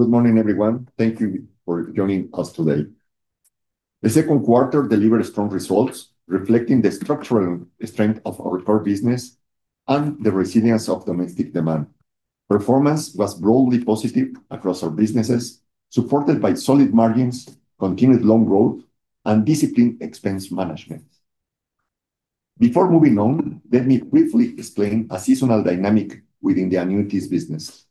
Good morning, everyone. Thank you for joining us today. The second quarter delivered strong results, reflecting the structural strength of our core business and the resilience of domestic demand. Performance was broadly positive across our businesses, supported by solid margins, continued loan growth, and disciplined expense management. Before moving on, let me briefly explain a seasonal dynamic within the annuities business.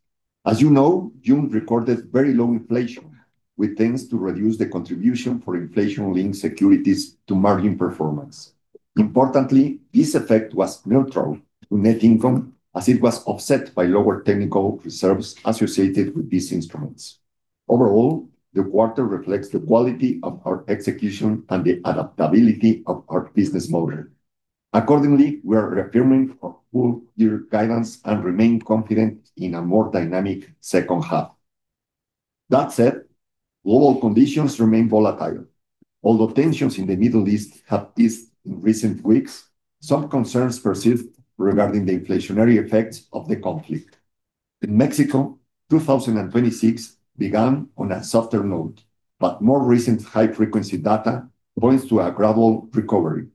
As you know, June recorded very low inflation, which tends to reduce the contribution for inflation-linked securities to margin performance. Importantly, this effect was neutral to net income as it was offset by lower technical reserves associated with these instruments. Overall, the quarter reflects the quality of our execution and the adaptability of our business model. Accordingly, we are reaffirming our full-year guidance and remain confident in a more dynamic second half. That said, global conditions remain volatile. Although tensions in the Middle East have eased in recent weeks, some concerns persist regarding the inflationary effects of the conflict. In Mexico, 2026 began on a softer note, but more recent high-frequency data points to a gradual recovery.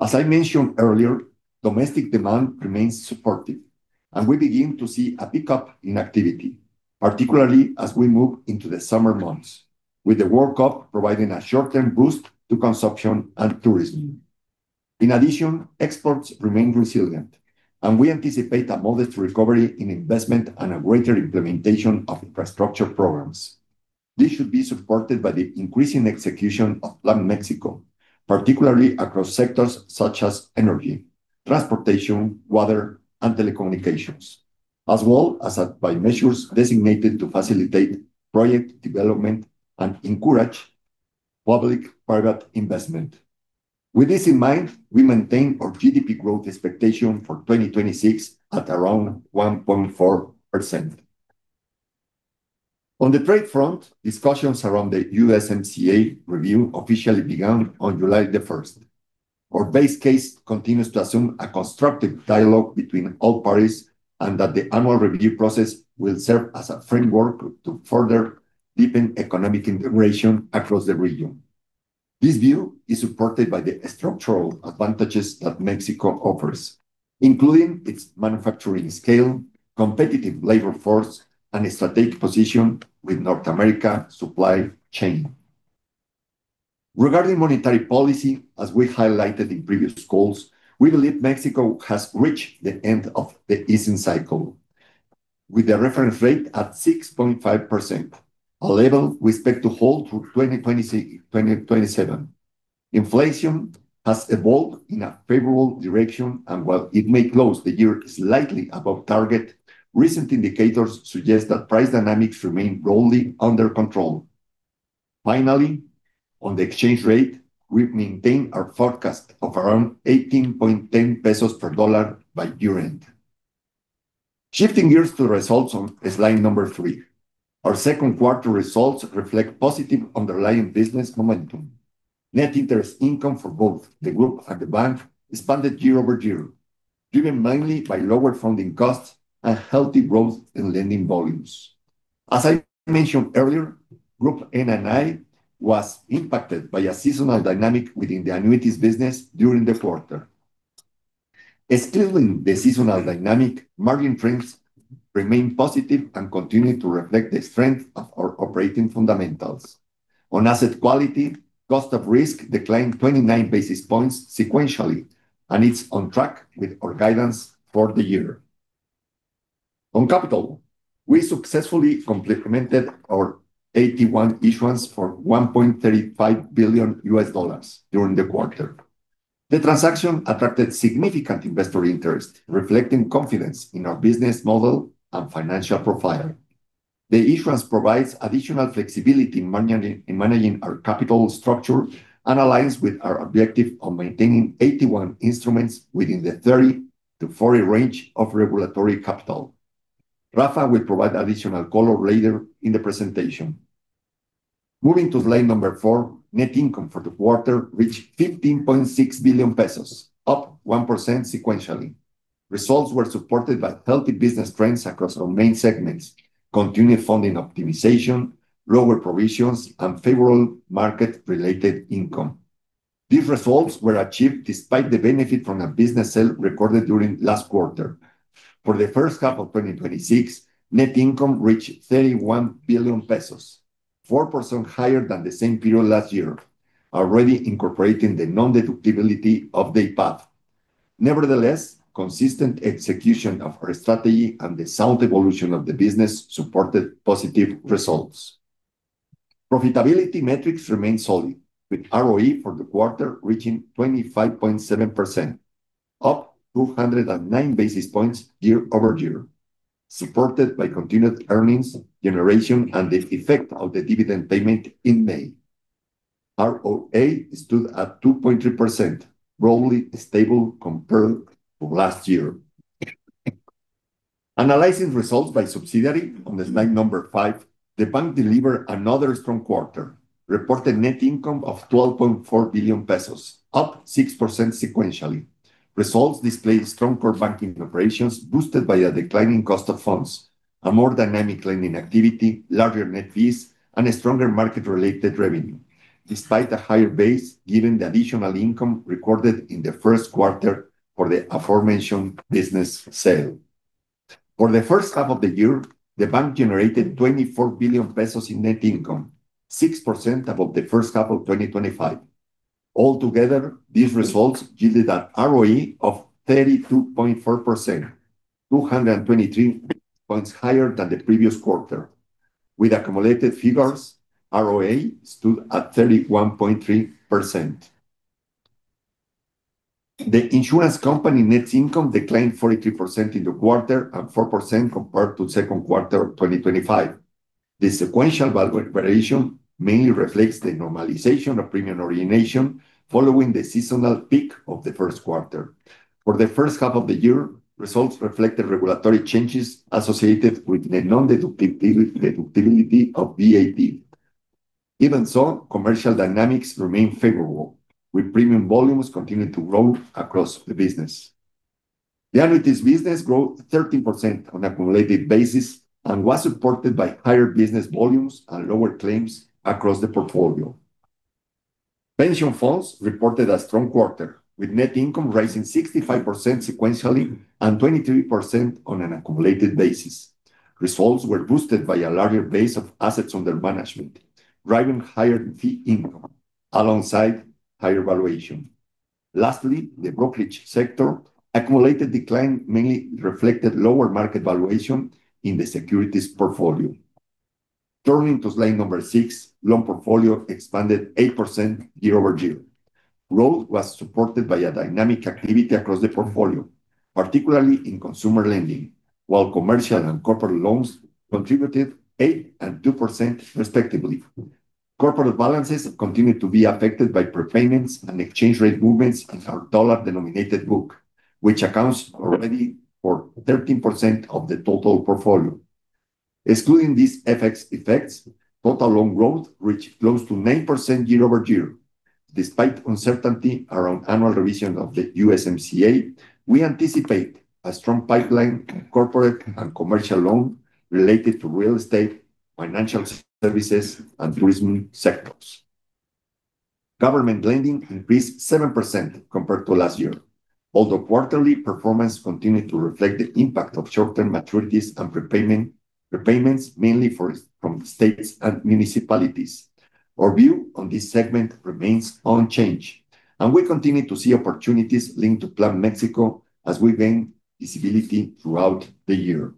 As I mentioned earlier, domestic demand remains supportive, and we begin to see a pickup in activity, particularly as we move into the summer months, with the World Cup providing a short-term boost to consumption and tourism. In addition, exports remain resilient, and we anticipate a modest recovery in investment and a greater implementation of infrastructure programs. This should be supported by the increasing execution of Plan México, particularly across sectors such as energy, transportation, water, and telecommunications, as well as by measures designated to facilitate project development and encourage public-private investment. With this in mind, we maintain our GDP growth expectation for 2026 at around 1.4%. On the trade front, discussions around the USMCA review officially began on July 1st. Our base case continues to assume a constructive dialogue between all parties, and that the annual review process will serve as a framework to further deepen economic integration across the region. This view is supported by the structural advantages that Mexico offers, including its manufacturing scale, competitive labor force, and strategic position with North America supply chain. Regarding monetary policy, as we highlighted in previous calls, we believe Mexico has reached the end of the easing cycle, with the reference rate at 6.5%, a level we expect to hold through 2026, 2027. Inflation has evolved in a favorable direction, and while it may close the year slightly above target, recent indicators suggest that price dynamics remain broadly under control. Finally, on the exchange rate, we maintain our forecast of around 18.10 pesos per dollar by year-end. Shifting gears to the results on slide number three. Our second quarter results reflect positive underlying business momentum. Net interest income for both the group and the bank expanded year-over-year, driven mainly by lower funding costs and healthy growth in lending volumes. As I mentioned earlier, Group NII was impacted by a seasonal dynamic within the annuities business during the quarter. Excluding the seasonal dynamic, margin trends remain positive and continue to reflect the strength of our operating fundamentals. On asset quality, cost of risk declined 29 basis points sequentially, and it's on track with our guidance for the year. On capital, we successfully complemented our AT1 issuance for $1.35 billion during the quarter. The transaction attracted significant investor interest, reflecting confidence in our business model and financial profile. The issuance provides additional flexibility in managing our capital structure and aligns with our objective of maintaining AT1 instruments within the 30%-40% range of regulatory capital. Rafa will provide additional color later in the presentation. Moving to slide number four, net income for the quarter reached 15.6 billion pesos, up 1% sequentially. Results were supported by healthy business trends across our main segments, continued funding optimization, lower provisions, and favorable market-related income. These results were achieved despite the benefit from a business sale recorded during last quarter. For the first half of 2026, net income reached 31 billion pesos, 4% higher than the same period last year, already incorporating the non-deductibility of the IPAB. Nevertheless, consistent execution of our strategy and the sound evolution of the business supported positive results. Profitability metrics remain solid, with ROE for the quarter reaching 25.7%, up 209 basis points year-over-year, supported by continued earnings generation and the effect of the dividend payment in May. ROA stood at 2.3%, broadly stable compared to last year. Analyzing results by subsidiary on slide number five, the bank delivered another strong quarter. Reported net income of 12.4 billion pesos, up 6% sequentially. Results displayed strong core banking operations boosted by a declining cost of funds, a more dynamic lending activity, larger net fees, and a stronger market-related revenue, despite a higher base, given the additional income recorded in the first quarter for the aforementioned business sale. For the first half of the year, the bank generated 24 billion pesos in net income, 6% above the first half of 2025. Altogether, these results yielded an ROE of 32.4%, 223 points higher than the previous quarter. With accumulated figures, ROA stood at 31.3%. The insurance company net income declined 43% in the quarter and 4% compared to second quarter of 2025. The sequential valuation mainly reflects the normalization of premium origination following the seasonal peak of the first quarter. For the first half of the year, results reflected regulatory changes associated with the non-deductibility of VAT. Even so, commercial dynamics remain favorable, with premium volumes continuing to grow across the business. The annuities business grew 13% on accumulated basis and was supported by higher business volumes and lower claims across the portfolio. Pension funds reported a strong quarter, with net income rising 65% sequentially and 23% on an accumulated basis. Results were boosted by a larger base of assets under management, driving higher fee income alongside higher valuation. Lastly, the brokerage sector accumulated decline mainly reflected lower market valuation in the securities portfolio. Turning to slide number six, loan portfolio expanded 8% year-over-year. Growth was supported by a dynamic activity across the portfolio, particularly in consumer lending, while commercial and corporate loans contributed 8% and 2% respectively. Corporate balances continued to be affected by prepayments and exchange rate movements in our dollar-denominated book, which accounts already for 13% of the total portfolio. Excluding these FX effects, total loan growth reached close to 9% year-over-year. Despite uncertainty around annual revision of the USMCA, we anticipate a strong pipeline in corporate and commercial loans related to real estate, financial services, and tourism sectors. Government lending increased 7% compared to last year. Although quarterly performance continued to reflect the impact of short-term maturities and prepayments mainly from the states and municipalities. Our view on this segment remains unchanged, we continue to see opportunities linked to Plan México as we gain visibility throughout the year.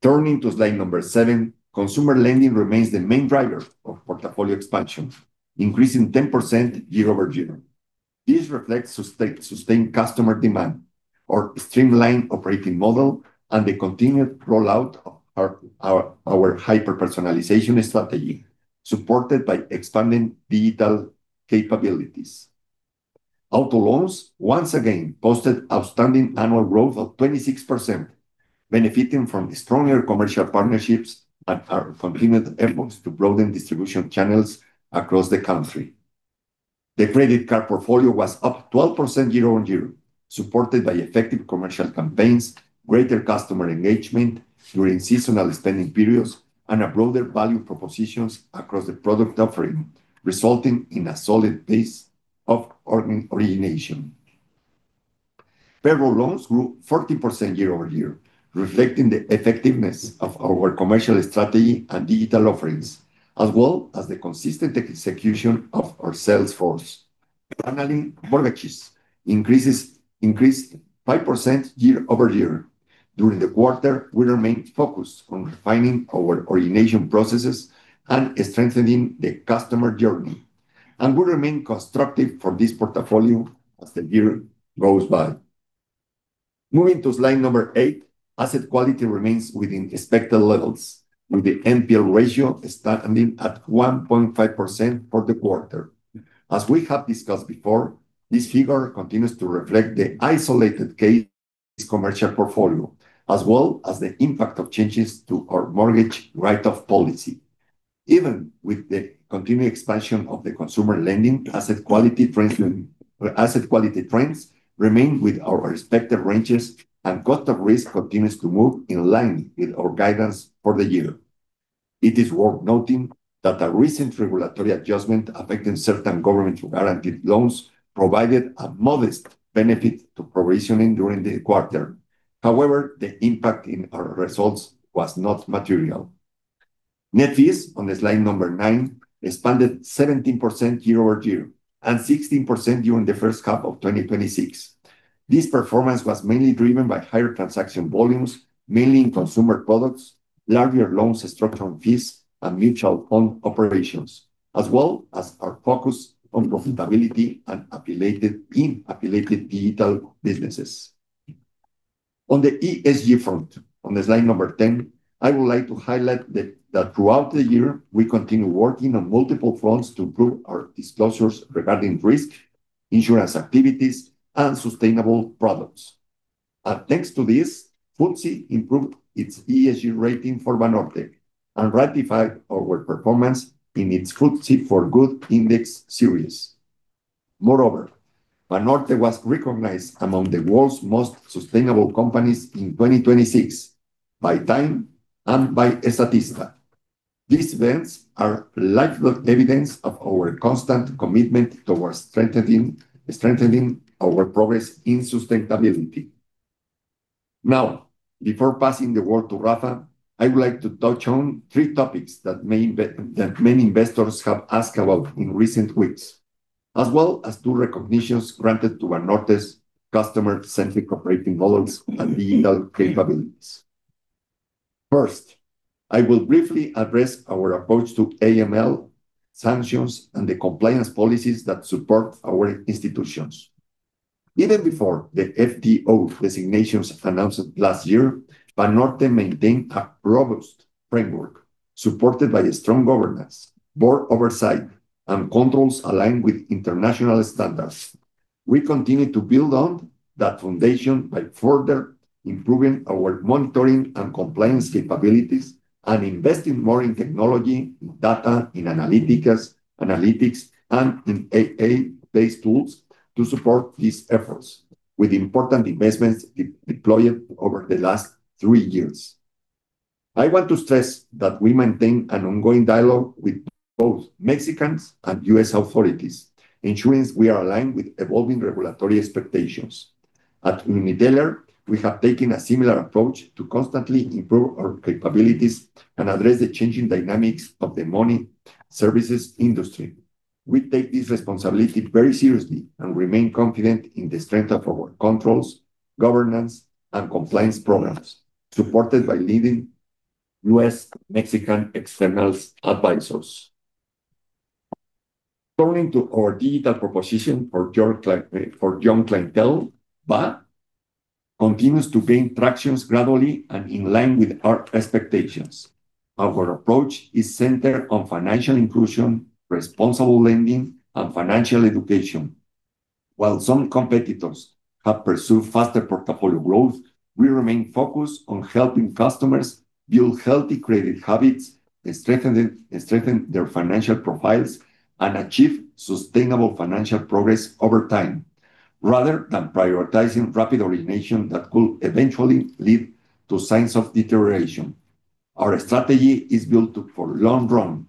Turning to slide number seven, consumer lending remains the main driver of portfolio expansion, increasing 10% year-over-year. This reflects sustained customer demand or streamlined operating model and the continued rollout of our hyper-personalization strategy, supported by expanding digital capabilities. Auto loans once again posted outstanding annual growth of 26%, benefiting from stronger commercial partnerships and our continued efforts to broaden distribution channels across the country. The credit card portfolio was up 12% year-on-year, supported by effective commercial campaigns, greater customer engagement during seasonal spending periods, and a broader value propositions across the product offering, resulting in a solid base of originations. Payroll loans grew 14% year-over-year, reflecting the effectiveness of our commercial strategy and digital offerings, as well as the consistent execution of our sales force. Finally, mortgages increased 5% year-over-year. During the quarter, we remained focused on refining our origination processes and strengthening the customer journey, we remain constructive for this portfolio as the year goes by. Moving to slide number eight, asset quality remains within expected levels, with the NPL ratio standing at 1.5% for the quarter. As we have discussed before, this figure continues to reflect the isolated case commercial portfolio, as well as the impact of changes to our mortgage write-off policy. Even with the continued expansion of the consumer lending asset quality trends remain within our expected ranges, cost of risk continues to move in line with our guidance for the year. It is worth noting that a recent regulatory adjustment affecting certain government-guaranteed loans provided a modest benefit to provisioning during the quarter. However, the impact in our results was not material. Net fees on slide number nine expanded 17% year-over-year and 16% during the first half of 2026. This performance was mainly driven by higher transaction volumes, mainly in consumer products, larger loan structuring fees, mutual fund operations, as well as our focus on profitability and in affiliated digital businesses. On the ESG front, on slide number 10, I would like to highlight that throughout the year, we continue working on multiple fronts to improve our disclosures regarding risk, insurance activities, and sustainable products. Thanks to this, FTSE improved its ESG rating for Banorte and ratified our performance in its FTSE4Good Index Series. Moreover, Banorte was recognized among the world's most sustainable companies in 2026 by Time and by Statista. These events are lifeblood evidence of our constant commitment towards strengthening our progress in sustainability. Now, before passing the word to Rafa, I would like to touch on three topics that many investors have asked about in recent weeks, as well as two recognitions granted to Banorte's customer-centric operating models and digital capabilities. First, I will briefly address our approach to AML sanctions and the compliance policies that support our institutions. Even before the FTO designations announced last year, Banorte maintained a robust framework supported by a strong governance, board oversight, and controls aligned with international standards. We continue to build on that foundation by further improving our monitoring and compliance capabilities and investing more in technology, in data, in analytics, and in AI-based tools to support these efforts with important investments deployed over the last three years. I want to stress that we maintain an ongoing dialogue with both Mexican and U.S. authorities, ensuring we are aligned with evolving regulatory expectations. At UniTeller, we have taken a similar approach to constantly improve our capabilities and address the changing dynamics of the money services industry. We take this responsibility very seriously and remain confident in the strength of our controls, governance, and compliance programs supported by leading U.S.-Mexican external advisors. Turning to our digital proposition for young clientele, bineo continues to gain traction gradually and in line with our expectations. Our approach is centered on financial inclusion, responsible lending, and financial education. While some competitors have pursued faster portfolio growth, we remain focused on helping customers build healthy credit habits and strengthen their financial profiles and achieve sustainable financial progress over time, rather than prioritizing rapid origination that could eventually lead to signs of deterioration. Our strategy is built for long run,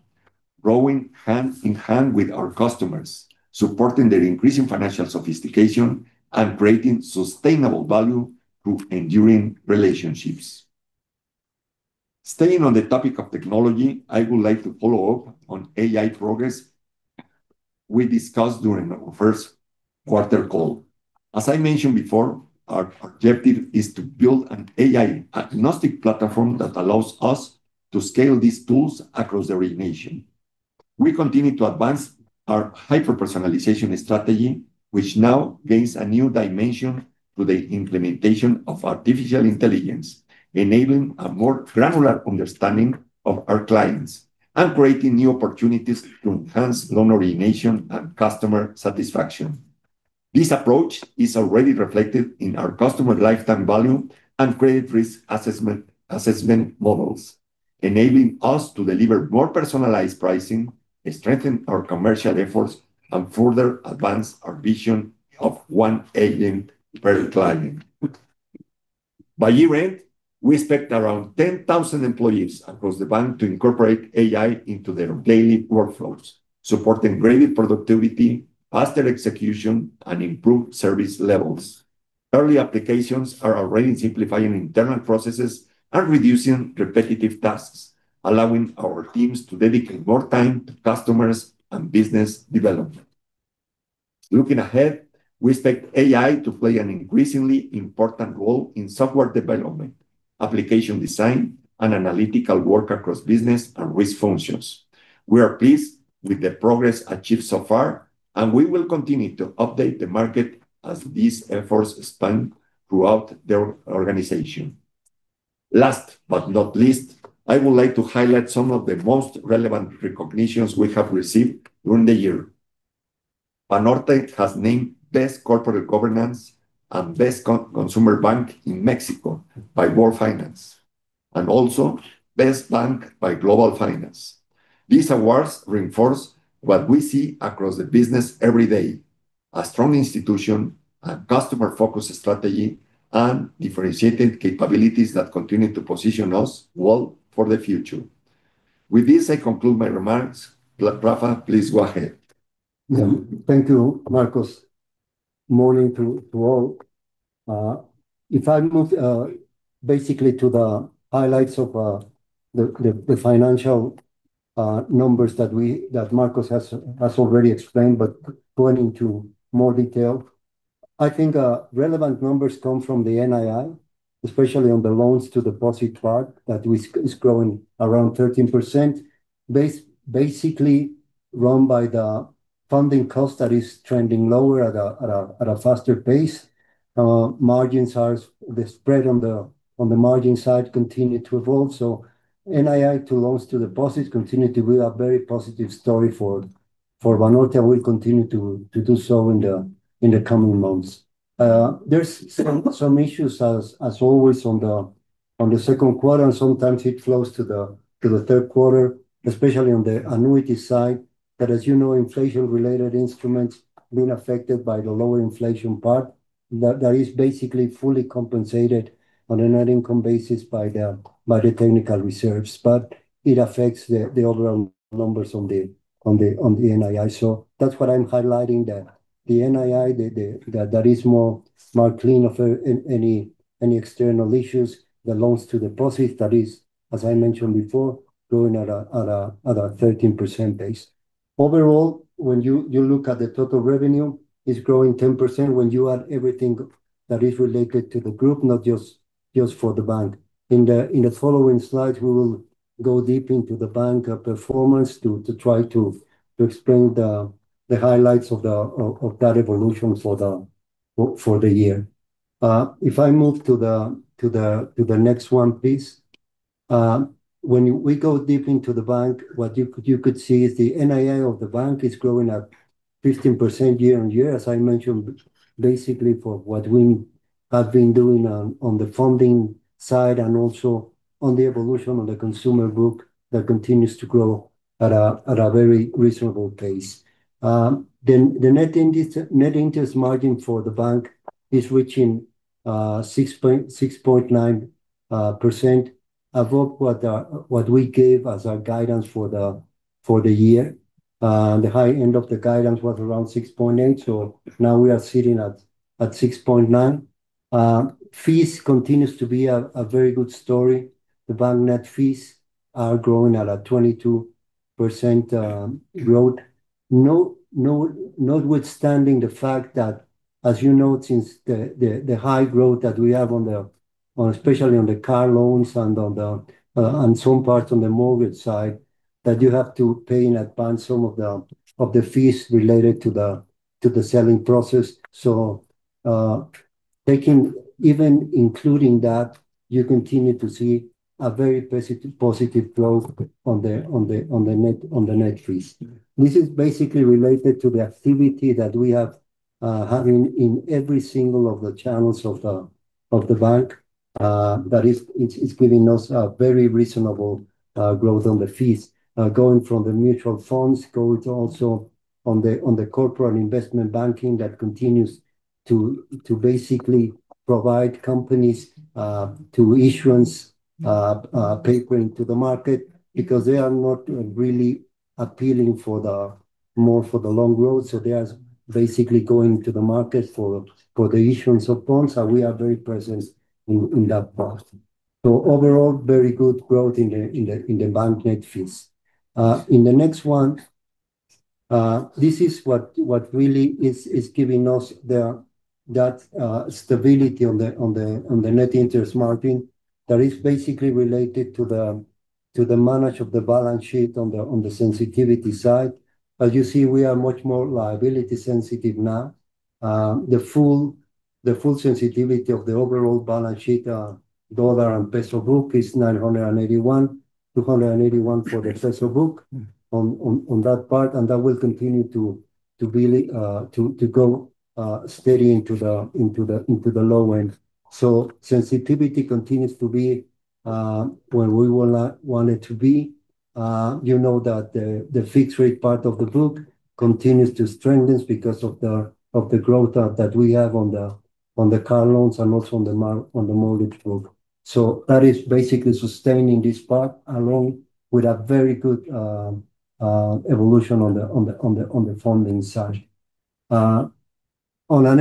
growing hand in hand with our customers, supporting their increasing financial sophistication, and creating sustainable value through enduring relationships. Staying on the topic of technology, I would like to follow up on AI progress we discussed during our first quarter call. As I mentioned before, our objective is to build an AI-agnostic platform that allows us to scale these tools across the origination. We continue to advance our hyper-personalization strategy, which now gains a new dimension to the implementation of artificial intelligence, enabling a more granular understanding of our clients and creating new opportunities to enhance loan origination and customer satisfaction. This approach is already reflected in our customer lifetime value and credit risk assessment models, enabling us to deliver more personalized pricing, and strengthen our commercial efforts, and further advance our vision of one agent per client. By year-end, we expect around 10,000 employees across the bank to incorporate AI into their daily workflows, supporting greater productivity, faster execution, and improved service levels. Early applications are already simplifying internal processes and reducing repetitive tasks, allowing our teams to dedicate more time to customers and business development. Looking ahead, we expect AI to play an increasingly important role in software development, application design, and analytical work across business and risk functions. We are pleased with the progress achieved so far. We will continue to update the market as these efforts span throughout the organization. Last but not least, I would like to highlight some of the most relevant recognitions we have received during the year. Banorte has named Best Corporate Governance and Best Consumer Bank in Mexico by Global Finance, and also Best Bank by Global Finance. These awards reinforce what we see across the business every day, a strong institution, a customer-focused strategy, and differentiated capabilities that continue to position us well for the future. With this, I conclude my remarks. Rafa, please go ahead. Thank you, Marcos. Morning to all. I move basically to the highlights of the financial numbers that Marcos has already explained, but going into more detail, I think relevant numbers come from the NII, especially on the loans to deposit part, that is growing around 13%, basically run by the funding cost that is trending lower at a faster pace. The spread on the margin side continued to evolve. NII loans to deposit continue to be a very positive story for Banorte, we'll continue to do so in the coming months. There's some issues as always on the second quarter, and sometimes it flows to the third quarter, especially on the annuity side, that as you know, inflation-related instruments have been affected by the lower inflation part that is basically fully compensated on a net income basis by the technical reserves. It affects the overall numbers on the NII. That's what I'm highlighting, the NII, that is more clean of any external issues. The loans to the deposit, that is, as I mentioned before, growing at a 13% pace. Overall, when you look at the total revenue, it's growing 10% when you add everything that is related to the group, not just for the bank. In the following slide, we will go deep into the bank performance to try to explain the highlights of that evolution for the year. I move to the next one, please. We go deep into the bank, what you could see is the NII of the bank is growing at 15% year-on-year, as I mentioned, basically for what we have been doing on the funding side and also on the evolution on the consumer book that continues to grow at a very reasonable pace. The net interest margin for the bank is reaching 6.9% above what we gave as our guidance for the year. The high end of the guidance was around 6.8%, now we are sitting at 6.9%. Fees continue to be a very good story. The bank net fees are growing at a 22% growth. Notwithstanding the fact that, as you know, since the high growth that we have especially on the car loans and some parts on the mortgage side, that you have to pay in advance some of the fees related to the selling process. Even including that, you continue to see a very positive growth on the net fees. This is basically related to the activity that we have had in every single of the channels of the bank. That is, it's giving us a very reasonable growth on the fees, going from the mutual funds, going to also on the corporate investment banking that continues to basically provide companies to issuance paper into the market because they are not really appealing more for the long run. They are basically going to the market for the issuance of bonds, and we are very present in that part. Overall, very good growth in the bank net fees. In the next one, this is what really is giving us that stability on the net interest margin that is basically related to the management of the balance sheet on the sensitivity side. As you see, we are much more liability sensitive now. The full sensitivity of the overall balance sheet, dollar and peso book is 981, 281 for the peso book on that part, and that will continue to go steady into the low end. Sensitivity continues to be where we want it to be. You know that the fixed rate part of the book continues to strengthen because of the growth that we have on the car loans and also on the mortgage book. That is basically sustaining this part along with a very good evolution on the funding side. On an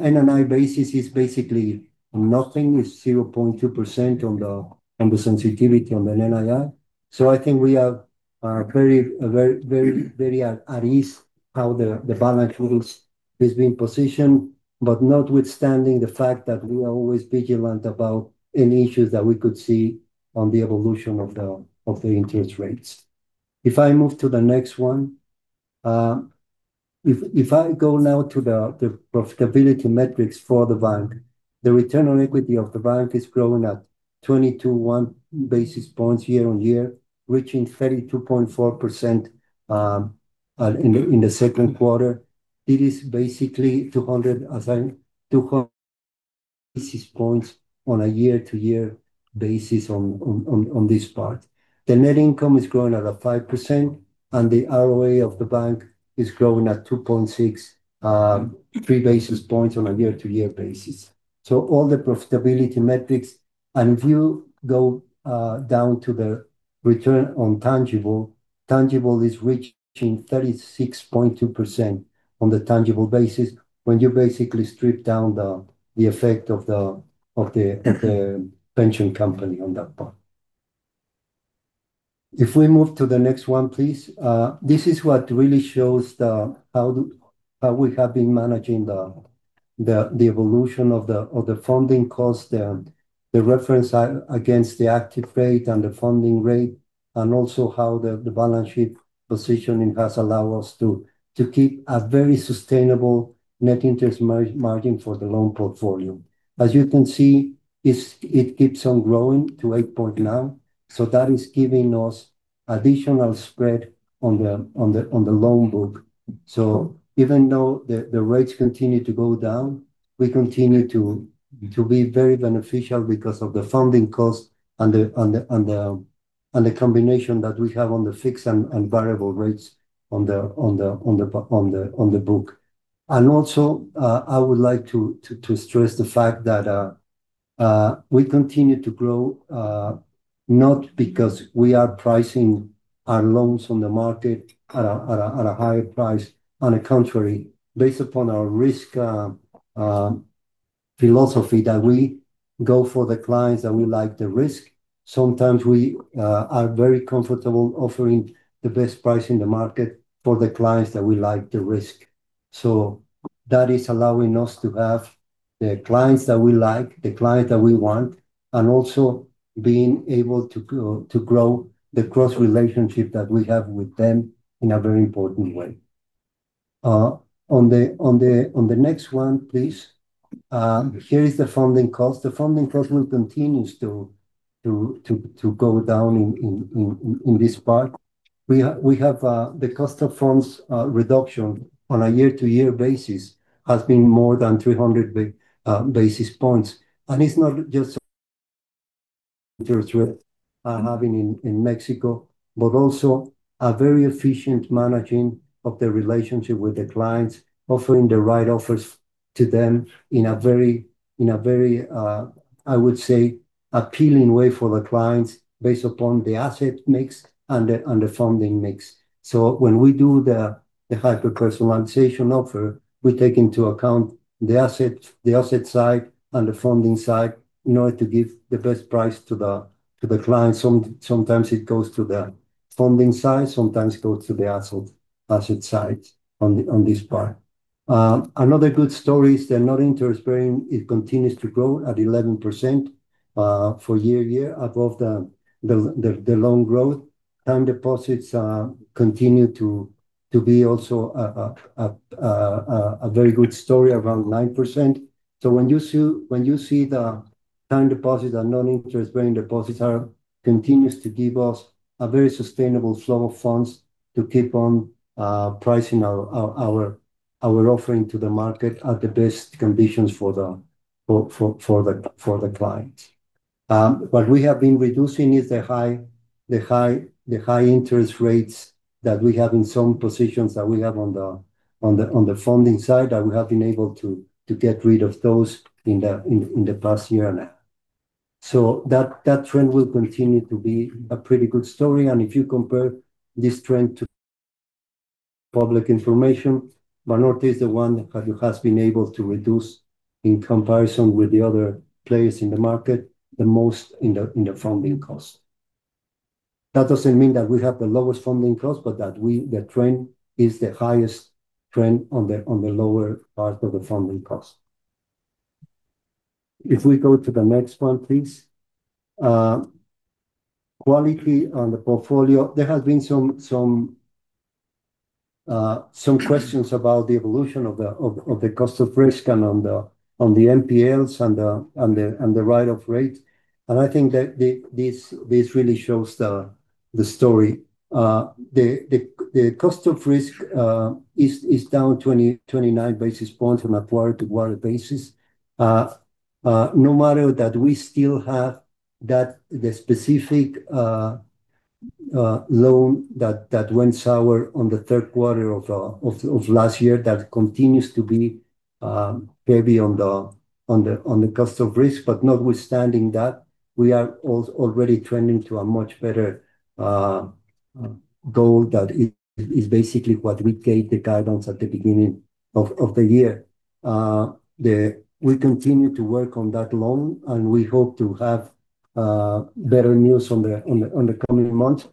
NII basis, it's basically nothing. It's 0.2% on the sensitivity on the NII. I think we are very at ease how the balance sheet is being positioned, but notwithstanding the fact that we are always vigilant about any issues that we could see on the evolution of the interest rates. If I move to the next one. If I go now to the profitability metrics for the bank, the return on equity of the bank is growing at 221 basis points year-on-year, reaching 32.4% in the second quarter. It is basically 200 basis points on a year-on-year basis on this part. The net income is growing at a 5%, and the ROE of the bank is growing at 2.63 basis points on a year-on-year basis. All the profitability metrics, and if you go down to the return on tangible is reaching 36.2% on the tangible basis when you basically strip down the effect of the pension company on that part. If we move to the next one, please. This is what really shows how we have been managing the evolution of the funding cost, the reference against the active rate and the funding rate, and also how the balance sheet positioning has allowed us to keep a very sustainable net interest margin for the loan portfolio. As you can see, it keeps on growing to 8.9%. That is giving us additional spread on the loan book. Even though the rates continue to go down, we continue to be very beneficial because of the funding cost and the combination that we have on the fixed and variable rates on the book. Also, I would like to stress the fact that we continue to grow, not because we are pricing our loans on the market at a higher price. On the contrary, based upon our risk philosophy, that we go for the clients that we like the risk. Sometimes we are very comfortable offering the best price in the market for the clients that we like the risk. That is allowing us to have the clients that we like, the clients that we want, and also being able to grow the close relationship that we have with them in a very important way. On the next one, please. Here is the funding cost. The funding cost continues to go down in this part. We have the cost of funds reduction on a year-on-year basis has been more than 300 basis points. It's not just our having in Mexico, but also a very efficient managing of the relationship with the clients, offering the right offers to them in a very, I would say, appealing way for the clients based upon the asset mix and the funding mix. When we do the hyper-personalization offer, we take into account the asset side and the funding side in order to give the best price to the client. Sometimes it goes to the funding side, sometimes goes to the asset side on this part. Another good story is the non-interest bearing, it continues to grow at 11% for year-to-year above the loan growth. Time deposits continue to be also a very good story, around 9%. When you see the time deposit and non-interest bearing deposits continue to give us a very sustainable flow of funds to keep on pricing our offering to the market at the best conditions for the clients. What we have been reducing is the high interest rates that we have in some positions that we have on the funding side, that we have been able to get rid of those in the past year now. That trend will continue to be a pretty good story. If you compare this trend to public information, Banorte is the one that has been able to reduce, in comparison with the other players in the market, the most in the funding cost. That doesn't mean that we have the lowest funding cost, but that the trend is the highest trend on the lower part of the funding cost. If we go to the next one, please. Quality on the portfolio, there has been some questions about the evolution of the cost of risk and on the NPLs and the write-off rate, and I think that this really shows the story. The cost of risk is down 29 basis points on a quarter-to-quarter basis. No matter that we still have the specific loan that went sour on the third quarter of last year, that continues to be heavy on the cost of risk. Notwithstanding that, we are already trending to a much better goal. That is basically what we gave the guidance at the beginning of the year. We continue to work on that loan, and we hope to have better news on the coming months.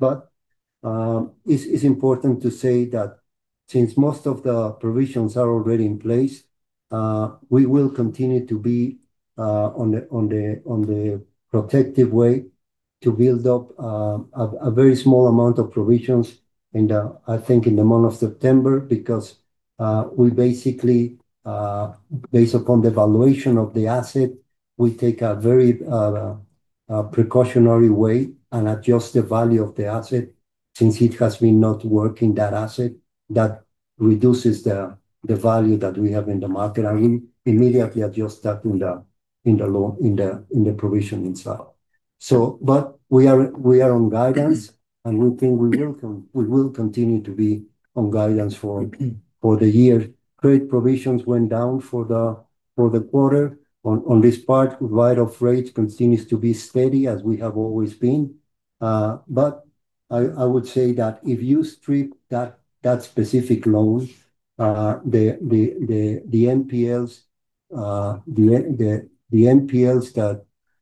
It's important to say that since most of the provisions are already in place, we will continue to be on the protective way to build up a very small amount of provisions in the, I think in the month of September. We basically, based upon the valuation of the asset, we take a very precautionary way and adjust the value of the asset, since it has been not working, that asset, that reduces the value that we have in the market and we immediately adjust that in the provision itself. We are on guidance, and we think we will continue to be on guidance for the year. Credit provisions went down for the quarter on this part. Write-off rates continue to be steady, as we have always been. I would say that if you strip that specific loan, the NPLs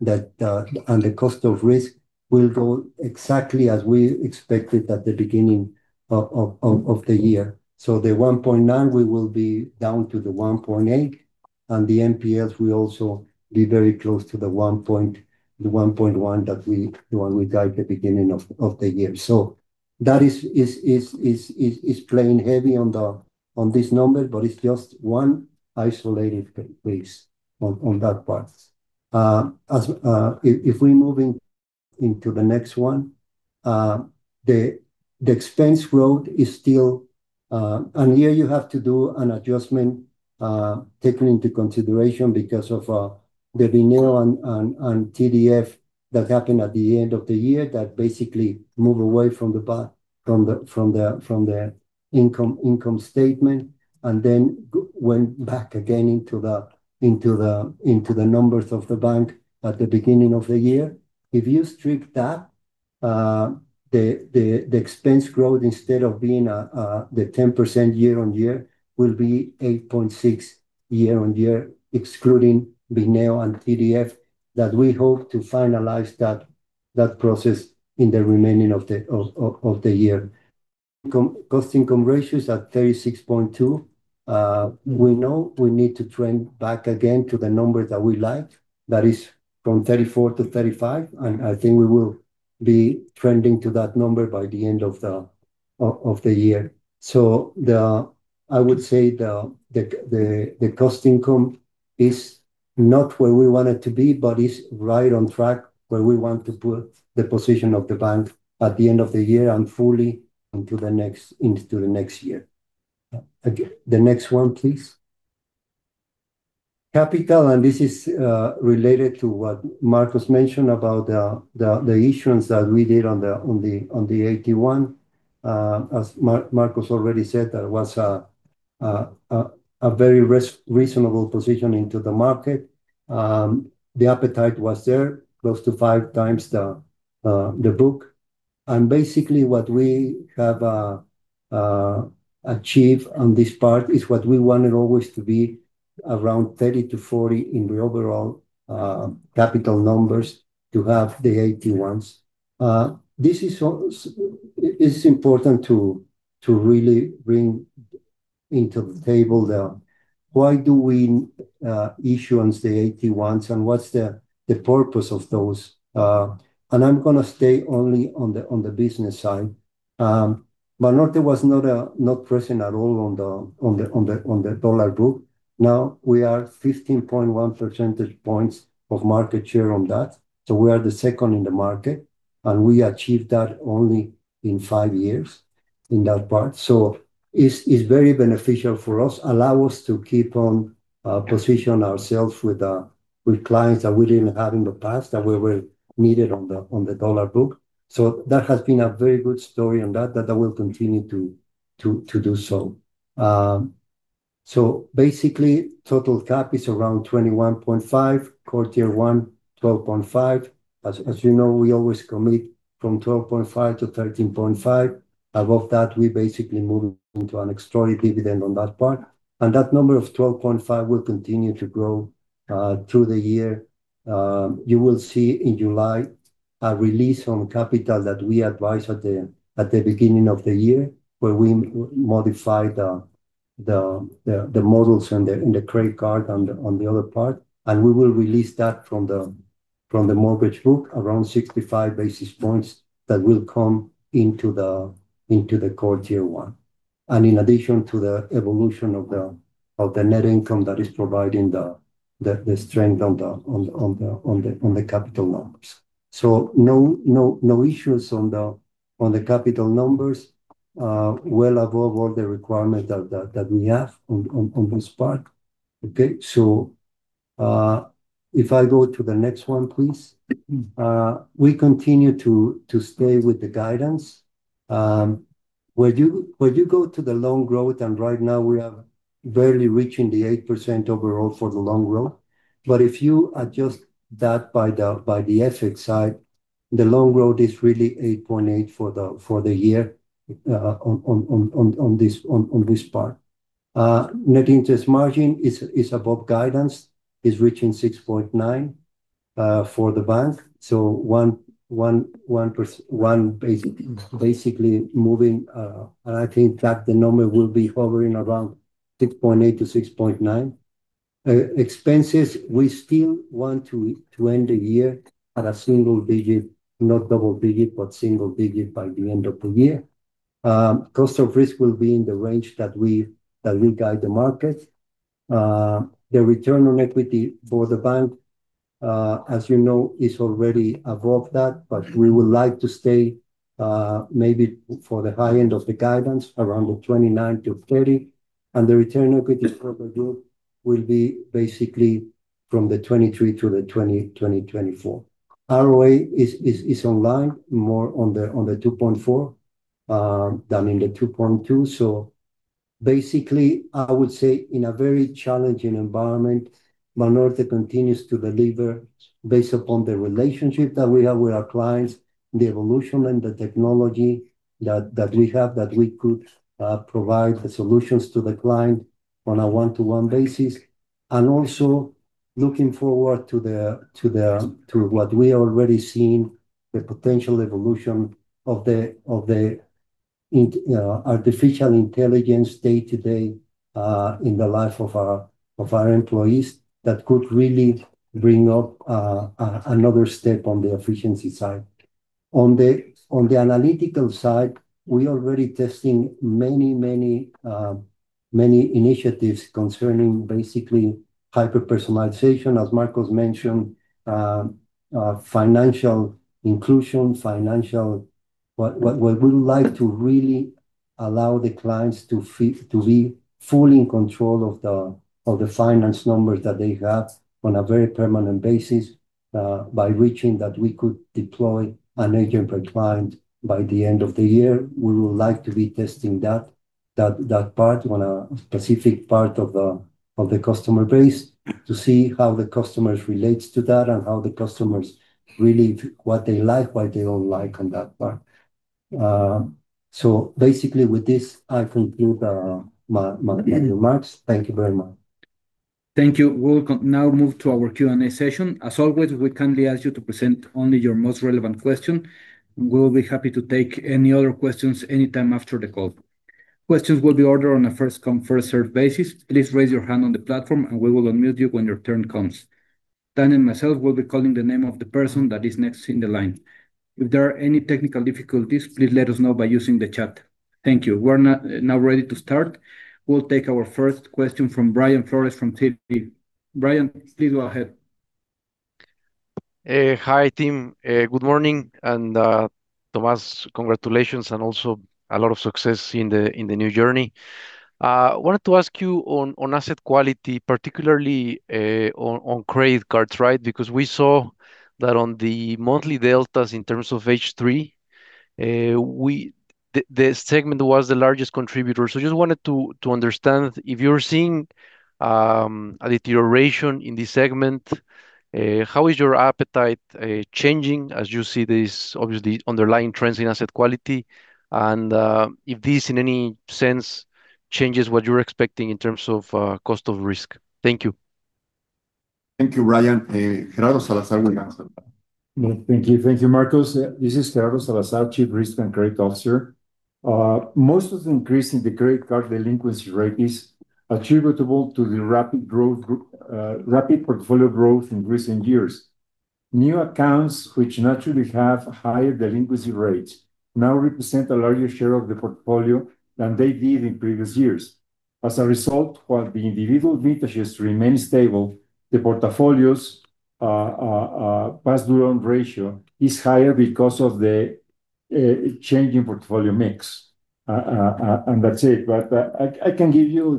and the cost of risk will go exactly as we expected at the beginning of the year. The 1.9, we will be down to the 1.8, and the NPLs will also be very close to the 1.1, the one we guide the beginning of the year. That is playing heavy on this number, but it's just one isolated case on that part. If we move into the next one, the expense growth is still. And here you have to do an adjustment, taking into consideration because of the renewal on TDF that happened at the end of the year that basically moved away from the income statement and then went back again into the numbers of the bank at the beginning of the year. If you strip that, the expense growth, instead of being the 10% year-on-year, will be 8.6% year-on-year, excluding bineo and TDF, that we hope to finalize that process in the remaining of the year. Cost-to-income ratio is at 36.2%. We know we need to trend back again to the number that we like, that is from 34%-35%, and I think we will be trending to that number by the end of the year. I would say the cost-to-income is not where we want it to be, but it's right on track where we want to put the position of the bank at the end of the year and fully into the next year. The next one, please. Capital, and this is related to what Marcos mentioned about the issuance that we did on the AT1. Marcos already said, that was a very reasonable position into the market. The appetite was there, close to five times the book. Basically what we have achieved on this part is what we wanted always to be around 30%-40% in the overall capital numbers to have the AT1s. This is important to really bring into the table the why do we issue the AT1s and what's the purpose of those? I'm going to stay only on the business side. Banorte was not present at all on the dollar book. Now we are 15.1 percentage points of market share on that. We are the second in the market, and we achieved that only in five years in that part. It's very beneficial for us, allow us to keep on position ourselves with clients that we didn't have in the past, that we were needed on the dollar book. That has been a very good story on that will continue to do so. Basically, total cap is around 21.5%, core Tier 1, 12.5%. As you know, we always commit from 12.5%-13.5%. Above that, we basically move into an extraordinary dividend on that part. That number of 12.5% will continue to grow through the year. You will see in July a release on capital that we advise at the beginning of the year, where we modify the models in the credit card on the other part. We will release that from the mortgage book, around 65 basis points that will come into the core Tier 1. In addition to the evolution of the net income that is providing the strength on the capital numbers. No issues on the capital numbers, well above all the requirements that we have on this part. If I go to the next one, please. We continue to stay with the guidance. When you go to the loan growth, Right now we are barely reaching the 8% overall for the loan growth, but if you adjust that by the FX side, the loan growth is really 8.8% for the year on this part. Net interest margin is above guidance, is reaching 6.9% for the bank. One basically moving, I think that the number will be hovering around 6.8% to 6.9%. Expenses, we still want to end the year at a single digit, not double digit, single digit by the end of the year. Cost of risk will be in the range that we guide the market. The return on equity for the bank, as you know, is already above that but we would like to stay maybe for the high end of the guidance, around the 29%-30%. The return on equity for the group will be basically from the 23%-24%. ROA is online more on the 2.4% than in the 2.2%. Basically, I would say in a very challenging environment, Banorte continues to deliver based upon the relationship that we have with our clients, the evolution and the technology that we have that we could provide the solutions to the client on a one-to-one basis, also looking forward to what we are already seeing, the potential evolution of the Artificial intelligence day-to-day in the life of our employees that could really bring up another step on the efficiency side. On the analytical side, we are already testing many initiatives concerning basically hyper-personalization, as Marcos mentioned, financial inclusion. What we would like to really allow the clients to be fully in control of the finance numbers that they have on a very permanent basis, by reaching that, we could deploy an agent per client by the end of the year. We would like to be testing that part on a specific part of the customer base to see how the customers relate to that and how the customers really what they like, what they don't like on that part. Basically with this, I conclude my remarks. Thank you very much. Thank you. We will now move to our Q&A session. As always, we kindly ask you to present only your most relevant question. We will be happy to take any other questions anytime after the call. Questions will be ordered on a first-come, first-served basis. Please raise your hand on the platform, and we will unmute you when your turn comes. Dan and myself will be calling the name of the person that is next in the line. If there are any technical difficulties, please let us know by using the chat. Thank you. We are now ready to start. We will take our first question from Brian Flores from Citi. Brian, please go ahead. Hi, team. Good morning. Tomás, congratulations, and also a lot of success in the new journey. Wanted to ask you on asset quality, particularly on credit cards, right? We saw that on the monthly deltas in terms of H3, the segment was the largest contributor. Just wanted to understand if you are seeing a deterioration in this segment, how is your appetite changing as you see this obviously underlying trends in asset quality, and if this, in any sense, changes what you are expecting in terms of cost of risk. Thank you. Thank you, Brian. Gerardo Salazar will answer. Thank you. Thank you, Marcos. This is Gerardo Salazar, Chief Risk and Credit Officer. Most of the increase in the credit card delinquency rate is attributable to the rapid portfolio growth in recent years. New accounts, which naturally have higher delinquency rates, now represent a larger share of the portfolio than they did in previous years. As a result, while the individual vintages remain stable, the portfolio's past due on ratio is higher because of the changing portfolio mix. That is it. I can give you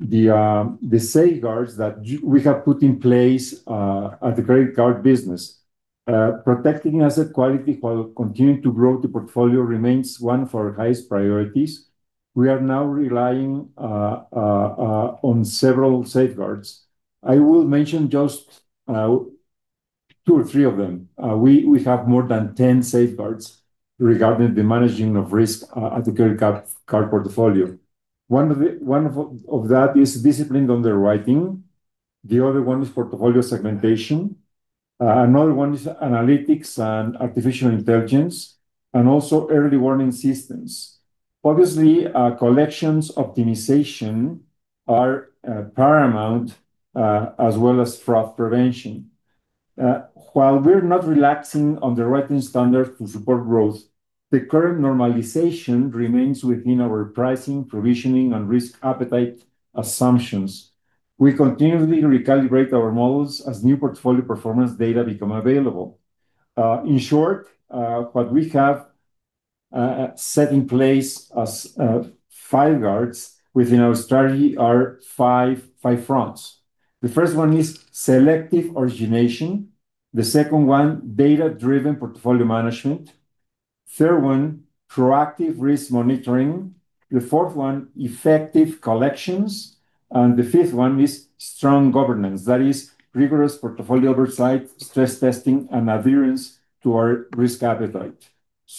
the safeguards that we have put in place at the credit card business. Protecting asset quality while continuing to grow the portfolio remains one of our highest priorities. We are now relying on several safeguards. I will mention just two or three of them. We have more than 10 safeguards regarding the managing of risk at the credit card portfolio. One of that is disciplined underwriting. The other one is portfolio segmentation. Another one is analytics and artificial intelligence, and also early warning systems. Obviously, collections optimization are paramount, as well as fraud prevention. While we're not relaxing underwriting standards to support growth, the current normalization remains within our pricing, provisioning, and risk appetite assumptions. We continually recalibrate our models as new portfolio performance data become available. In short, what we have set in place as safeguards within our strategy are five fronts. The first one is selective origination. The second one, data-driven portfolio management. Third one, proactive risk monitoring. The fourth one, effective collections. The fifth one is strong governance. That is rigorous portfolio oversight, stress testing, and adherence to our risk appetite.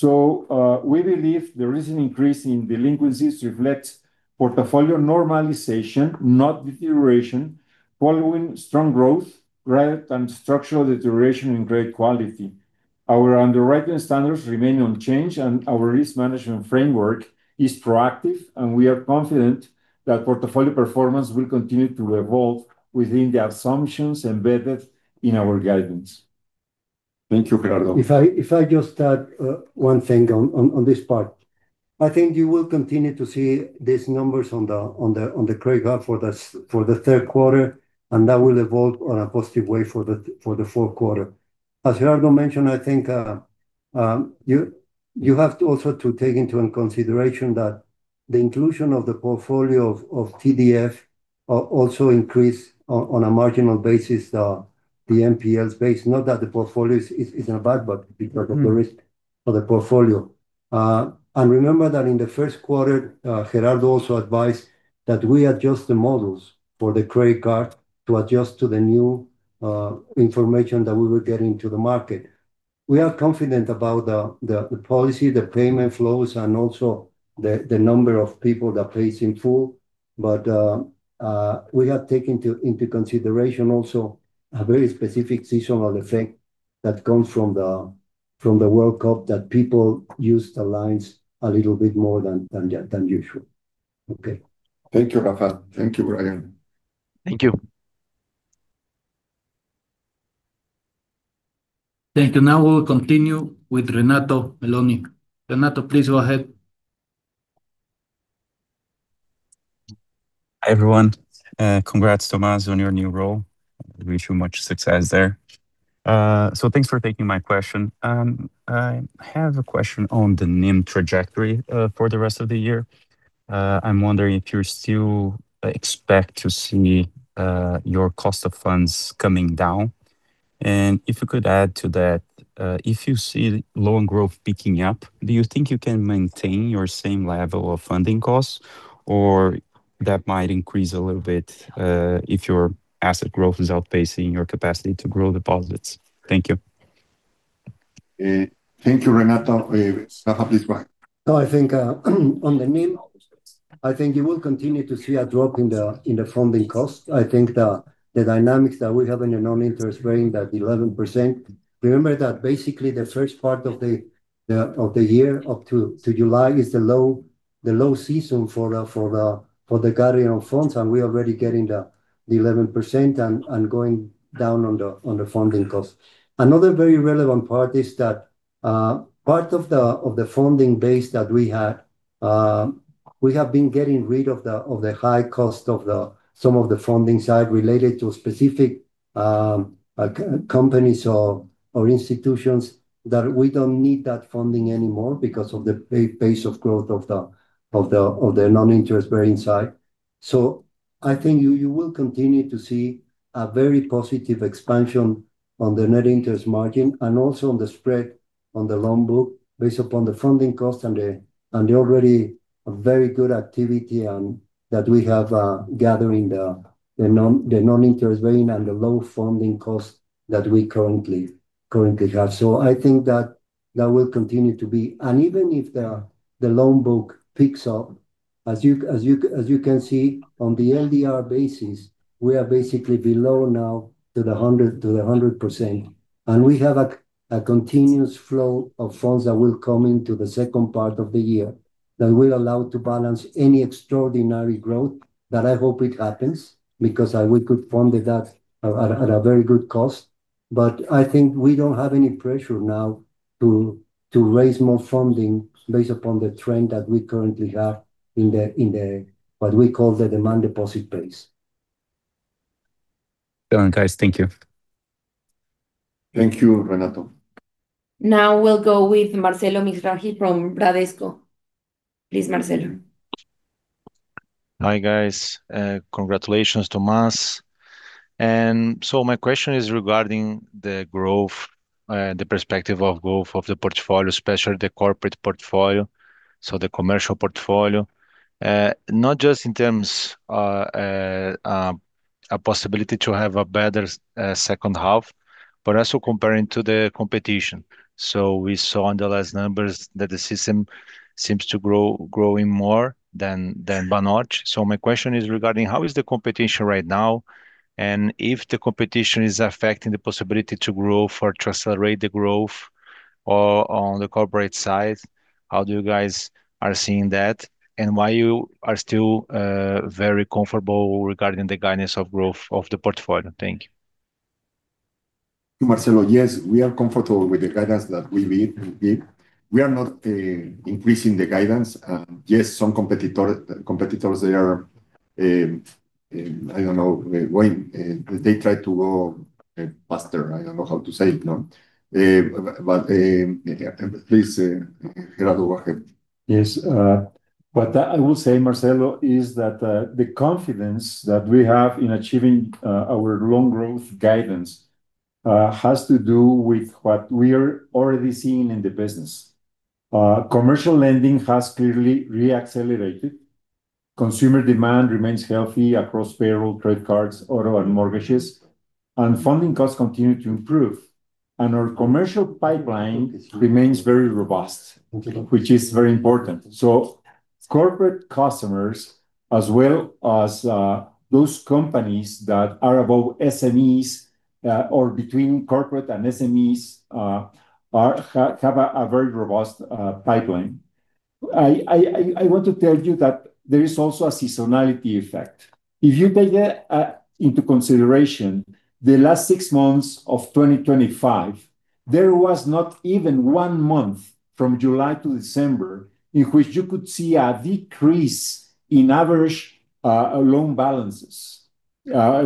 We believe the recent increase in delinquencies reflects portfolio normalization, not deterioration following strong growth rather than structural deterioration in grade quality. Our underwriting standards remain unchanged, our risk management framework is proactive, and we are confident that portfolio performance will continue to evolve within the assumptions embedded in our guidance. Thank you, Gerardo. If I just add one thing on this part. I think you will continue to see these numbers on the credit card for the third quarter, and that will evolve on a positive way for the fourth quarter. As Gerardo mentioned, I think you have to also to take into consideration that the inclusion of the portfolio of TDF also increase on a marginal basis, the NPLs base, not that the portfolio is bad, but because of the risk of the portfolio. Remember that in the first quarter, Gerardo also advised that we adjust the models for the credit card to adjust to the new information that we were getting to the market. We are confident about the policy, the payment flows, and also the number of people that pays in full. We have taken into consideration also a very specific seasonal effect that comes from the World Cup that people used the lines a little bit more than usual. Okay. Thank you, Rafa. Thank you, Gerardo. Thank you. Thank you. We will continue with Renato Meloni. Renato, please go ahead. Hi, everyone. Congrats, Tomás, on your new role. I wish you much success there. Thanks for taking my question. I have a question on the NIM trajectory for the rest of the year. I'm wondering if you still expect to see your cost of funds coming down, and if you could add to that, if you see loan growth picking up, do you think you can maintain your same level of funding costs or that might increase a little bit, if your asset growth is outpacing your capacity to grow deposits? Thank you. Thank you, Renato. Rafa, please go ahead. I think, on the NIM, I think you will continue to see a drop in the funding cost. I think the dynamics that we have in the non-interest bearing that 11%. Remember that basically the first part of the year up to July is the low season for the gathering of funds, and we're already getting the 11% and going down on the funding cost. Another very relevant part is that, part of the funding base that we had, we have been getting rid of the high cost of some of the funding side related to specific companies or institutions that we don't need that funding anymore because of the pace of growth of the non-interest bearing side. I think you will continue to see a very positive expansion on the Net Interest Margin and also on the spread on the loan book based upon the funding cost and the already very good activity that we have gathering the non-interest bearing and the low funding cost that we currently have. I think that will continue to be. Even if the loan book picks up, as you can see on the LDR basis, we are basically below now to the 100%, and we have a continuous flow of funds that will come into the second part of the year that will allow to balance any extraordinary growth that I hope it happens because we could fund that at a very good cost. I think we don't have any pressure now to raise more funding based upon the trend that we currently have in the, what we call the demand deposit base. Done, guys. Thank you. Thank you, Renato. We'll go with Marcelo Mizrahi from Bradesco. Please, Marcelo. Hi, guys. Congratulations, Tomás. My question is regarding the perspective of growth of the portfolio, especially the corporate portfolio. The commercial portfolio, not just in terms a possibility to have a better second half, but also comparing to the competition. We saw on the last numbers that the system seems to growing more than Banorte. My question is regarding how is the competition right now, and if the competition is affecting the possibility to grow or to accelerate the growth or on the corporate side, how do you guys are seeing that, and why you are still very comfortable regarding the guidance of growth of the portfolio? Thank you. Marcelo, yes, we are comfortable with the guidance that we gave. We are not increasing the guidance. Yes, some competitors, they are, I don't know, when they try to go faster, I don't know how to say it. Please, Gerardo, go ahead. Yes. What I will say, Marcelo, is that the confidence that we have in achieving our loan growth guidance has to do with what we are already seeing in the business. Commercial lending has clearly re-accelerated. Consumer demand remains healthy across payroll, credit cards, auto, and mortgages, and funding costs continue to improve. Our commercial pipeline remains very robust, which is very important. Corporate customers, as well as those companies that are above SMEs, or between corporate and SMEs, have a very robust pipeline. I want to tell you that there is also a seasonality effect. If you take into consideration the last six months of 2025, there was not even one month from July to December in which you could see a decrease in average loan balances. Our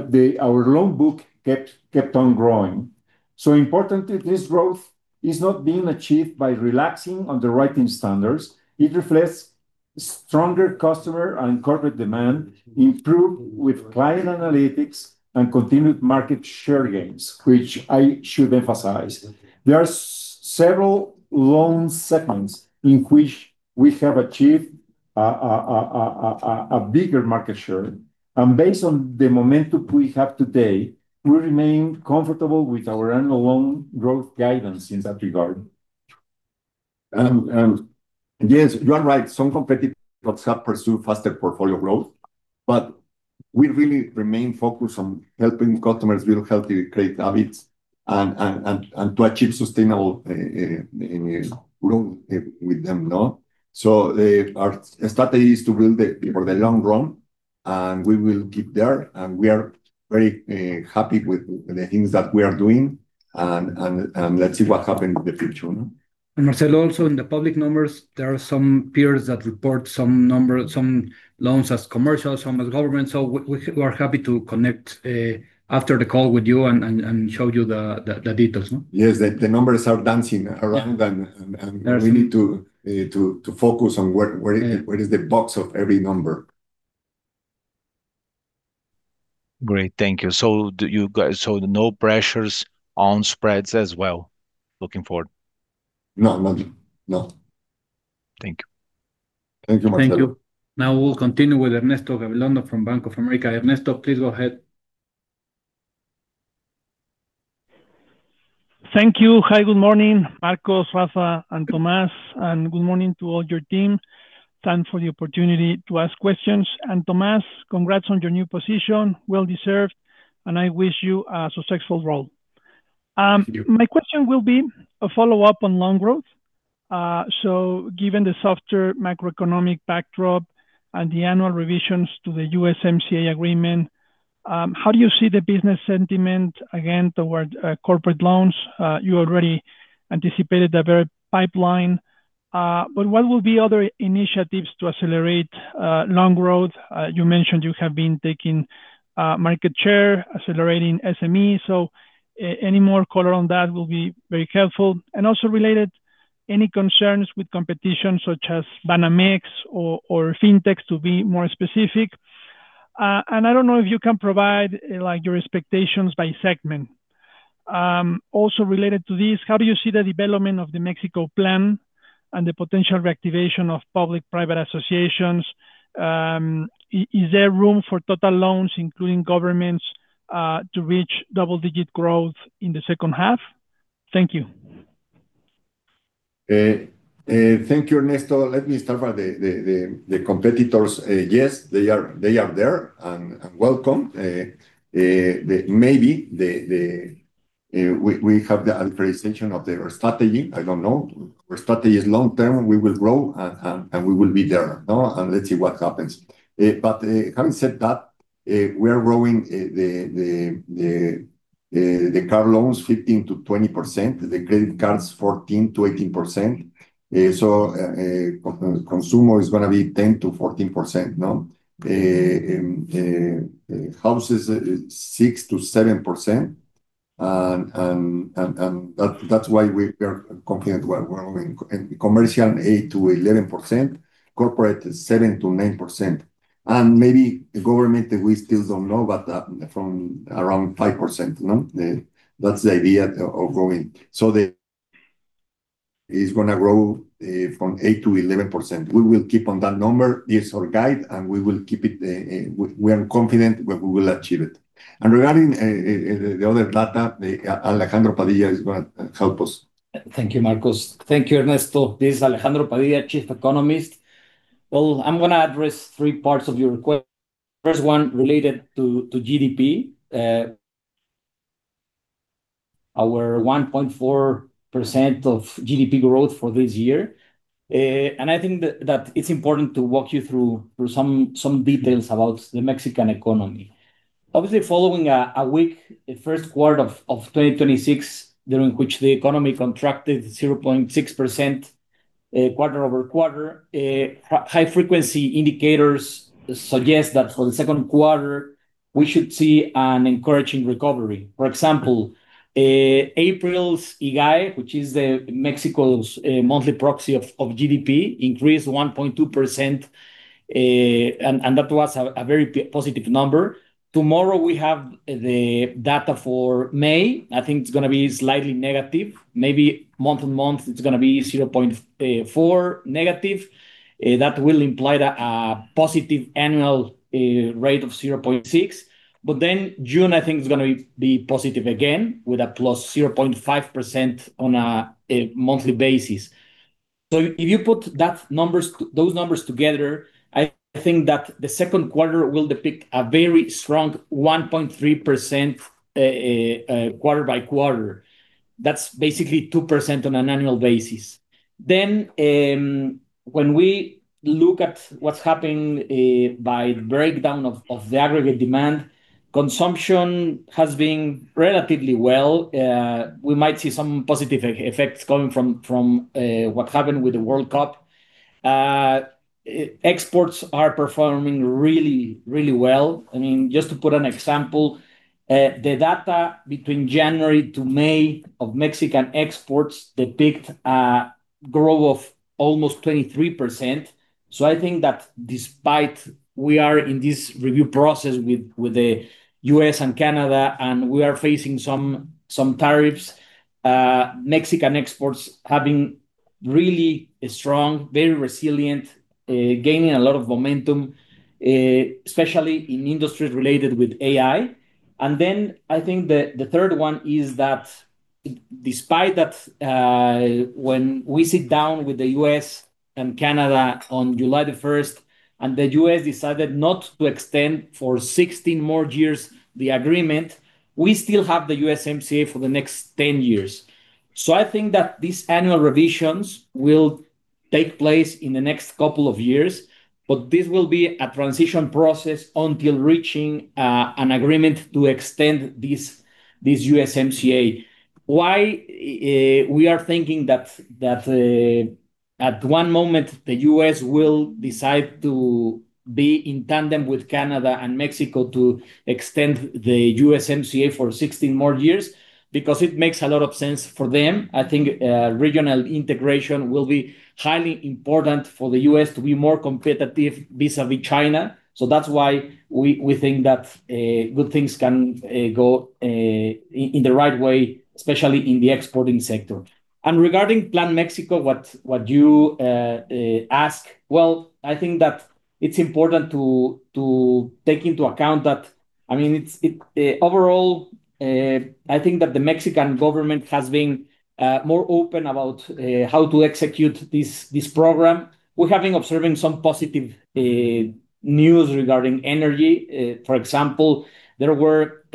loan book kept on growing. Importantly, this growth is not being achieved by relaxing underwriting standards. It reflects stronger customer and corporate demand, improved with client analytics and continued market share gains, which I should emphasize. There are several loan segments in which we have achieved a bigger market share. Based on the momentum we have today, we remain comfortable with our annual loan growth guidance in that regard. Yes, you are right. Some competitors have pursued faster portfolio growth, but we really remain focused on helping customers build healthy credit habits and to achieve sustainable growth with them. Our strategy is to build for the long run, and we will keep there, and we are very happy with the things that we are doing, and let's see what happens in the future. Marcelo, also in the public numbers, there are some peers that report some loans as commercial, some as government. We are happy to connect after the call with you and show you the details. Yes. The numbers are dancing around, and we need to focus on where is the box of every number. Great. Thank you. No pressures on spreads as well looking forward? No. Thank you. Thank you, Marcelo. Thank you. We will continue with Ernesto Gabilondo from Bank of America. Ernesto, please go ahead. Thank you. Hi, good morning, Marcos, Rafa, and Tomás, and good morning to all your team. Thanks for the opportunity to ask questions. Tomás, congrats on your new position. Well deserved, and I wish you a successful role. My question will be a follow-up on loan growth. Given the softer macroeconomic backdrop and the annual revisions to the USMCA agreement, how do you see the business sentiment again toward corporate loans? You already anticipated the very pipeline. What will be other initiatives to accelerate loan growth? You mentioned you have been taking market share, accelerating SME, any more color on that will be very helpful. Also related, any concerns with competition such as Banamex or, Fintech, to be more specific? I don't know if you can provide your expectations by segment. Also related to this, how do you see the development of the Plan México and the potential reactivation of public-private associations? Is there room for total loans, including governments, to reach double-digit growth in the second half? Thank you. Thank you, Ernesto. Let me start with the competitors. Yes, they are there, and welcome. Maybe we have the appreciation of their strategy. I don't know. Our strategy is long-term. We will grow, and we will be there, and let's see what happens. Having said that, we are growing the car loans 15%-20%, the credit cards 14%-18%. Consumer is going to be 10%-14%. Houses, 6%-7%, and that's why we are confident we're growing. Commercial 8%-11%, corporate 7%-9%. Maybe the government, we still don't know, but from around 5%. That's the idea of growing. It's going to grow from 8%-11%. We will keep on that number. It's our guide, and we are confident we will achieve it. Regarding the other data, Alejandro Padilla is going to help us. Thank you, Marcos. Thank you, Ernesto. This is Alejandro Padilla, Chief Economist. I'm going to address three parts of your request. First one related to GDP. Our 1.4% of GDP growth for this year, I think that it's important to walk you through some details about the Mexican economy. Obviously, following a weak first quarter of 2026, during which the economy contracted 0.6% quarter-over-quarter, high-frequency indicators suggest that for the second quarter, we should see an encouraging recovery. For example, April's IGAI, which is Mexico's monthly proxy of GDP, increased 1.2%, that was a very positive number. Tomorrow, we have the data for May. I think it's going to be slightly negative, maybe month-on-month, it's going to be -0.4. That will imply that a positive annual rate of 0.6. June, I think, is going to be positive again with a +0.5% on a monthly basis. If you put those numbers together, I think that the second quarter will depict a very strong 1.3% quarter-over-quarter. That's basically 2% on an annual basis. When we look at what's happening by breakdown of the aggregate demand, consumption has been relatively well. We might see some positive effects coming from what happened with the World Cup. Exports are performing really well. Just to put an example, the data between January to May of Mexican exports depict a growth of almost 23%. I think that despite we are in this review process with the U.S. and Canada, and we are facing some tariffs, Mexican exports have been really strong, very resilient, gaining a lot of momentum, especially in industries related with AI. I think the third one is that despite that when we sit down with the U.S. and Canada on July the 1st, and the U.S. decided not to extend for 16 more years the agreement, we still have the USMCA for the next 10 years. I think that these annual revisions will take place in the next couple of years, but this will be a transition process until reaching an agreement to extend this USMCA. Why we are thinking that at one moment the U.S. will decide to be in tandem with Canada and Mexico to extend the USMCA for 16 more years? Because it makes a lot of sense for them. I think regional integration will be highly important for the U.S. to be more competitive vis-a-vis China. That's why we think that good things can go in the right way, especially in the exporting sector. Regarding Plan México, what you ask, well, I think that it's important to take into account that, overall, I think that the Mexican government has been more open about how to execute this program. We have been observing some positive news regarding energy. For example, there were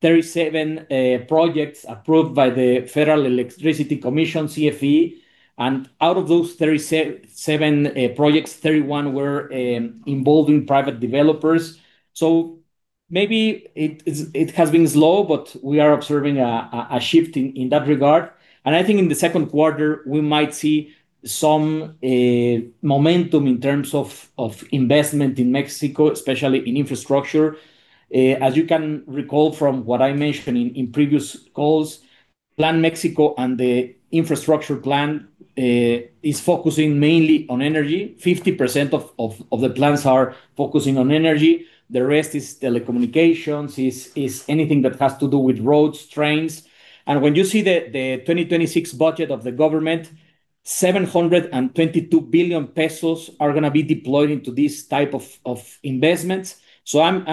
37 projects approved by the Comisión Federal de Electricidad, CFE. Out of those 37 projects, 31 were involving private developers. Maybe it has been slow, but we are observing a shift in that regard. I think in the second quarter, we might see some momentum in terms of investment in Mexico, especially in infrastructure. As you can recall from what I mentioned in previous calls, Plan México and the infrastructure plan is focusing mainly on energy. 50% of the plans are focusing on energy. The rest is telecommunications, is anything that has to do with roads, trains. When you see the 2026 budget of the government, 722 billion pesos are going to be deployed into this type of investments. I'm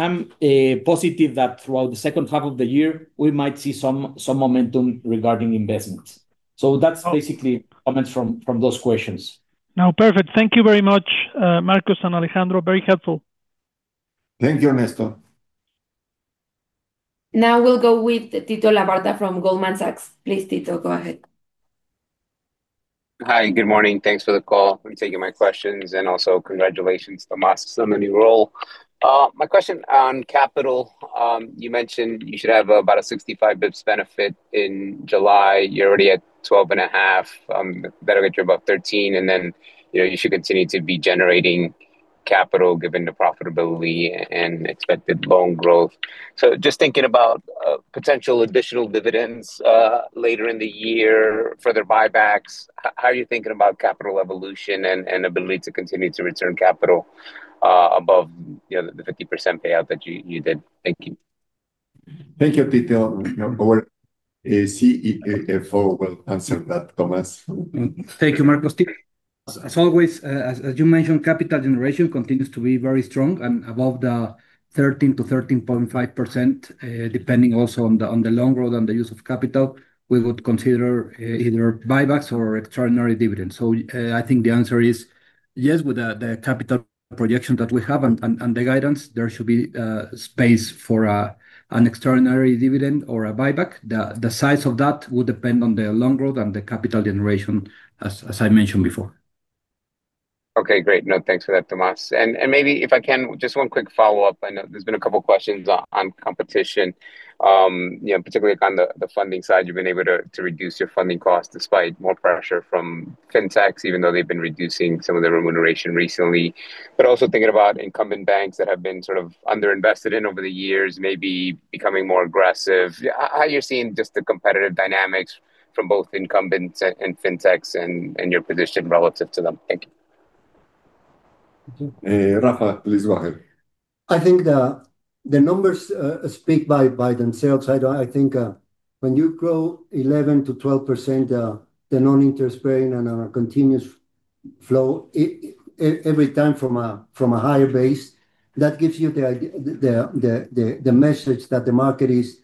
positive that throughout the second half of the year, we might see some momentum regarding investments. That's basically comments from those questions. No, perfect. Thank you very much, Marcos and Alejandro. Very helpful. Thank you, Ernesto. Now we'll go with Tito Labarta from Goldman Sachs. Please, Tito, go ahead. Hi. Good morning. Thanks for the call and taking my questions, and also congratulations, Tomás, on the new role. My question on capital, you mentioned you should have about a 65 basis points benefit in July. You're already at 12.5%. Better get you above 13%, and then you should continue to be generating capital given the profitability and expected loan growth. Just thinking about potential additional dividends later in the year, further buybacks, how are you thinking about capital evolution and ability to continue to return capital above the 50% payout that you did? Thank you. Thank you, Tito. Our CFO will answer that. Tomás. Thank you, Marcos. Tito, as always, as you mentioned, capital generation continues to be very strong and above the 13%-13.5%, depending also on the loan growth and the use of capital, we would consider either buybacks or extraordinary dividends. I think the answer is yes, with the capital projection that we have and the guidance, there should be space for an extraordinary dividend or a buyback. The size of that will depend on the loan growth and the capital generation as I mentioned before. Okay, great. No, thanks for that, Tomás. Maybe if I can, just one quick follow-up. I know there's been a couple of questions on competition. Particularly on the funding side, you've been able to reduce your funding costs despite more pressure from fintechs, even though they've been reducing some of their remuneration recently. Also thinking about incumbent banks that have been sort of under-invested in over the years, maybe becoming more aggressive. How are you seeing just the competitive dynamics from both incumbents and fintechs and your position relative to them? Thank you. Rafa, please go ahead. I think the numbers speak by themselves. I think when you grow 11%-12%, the non-interest bearing on a continuous flow, every time from a higher base, that gives you the message that the market is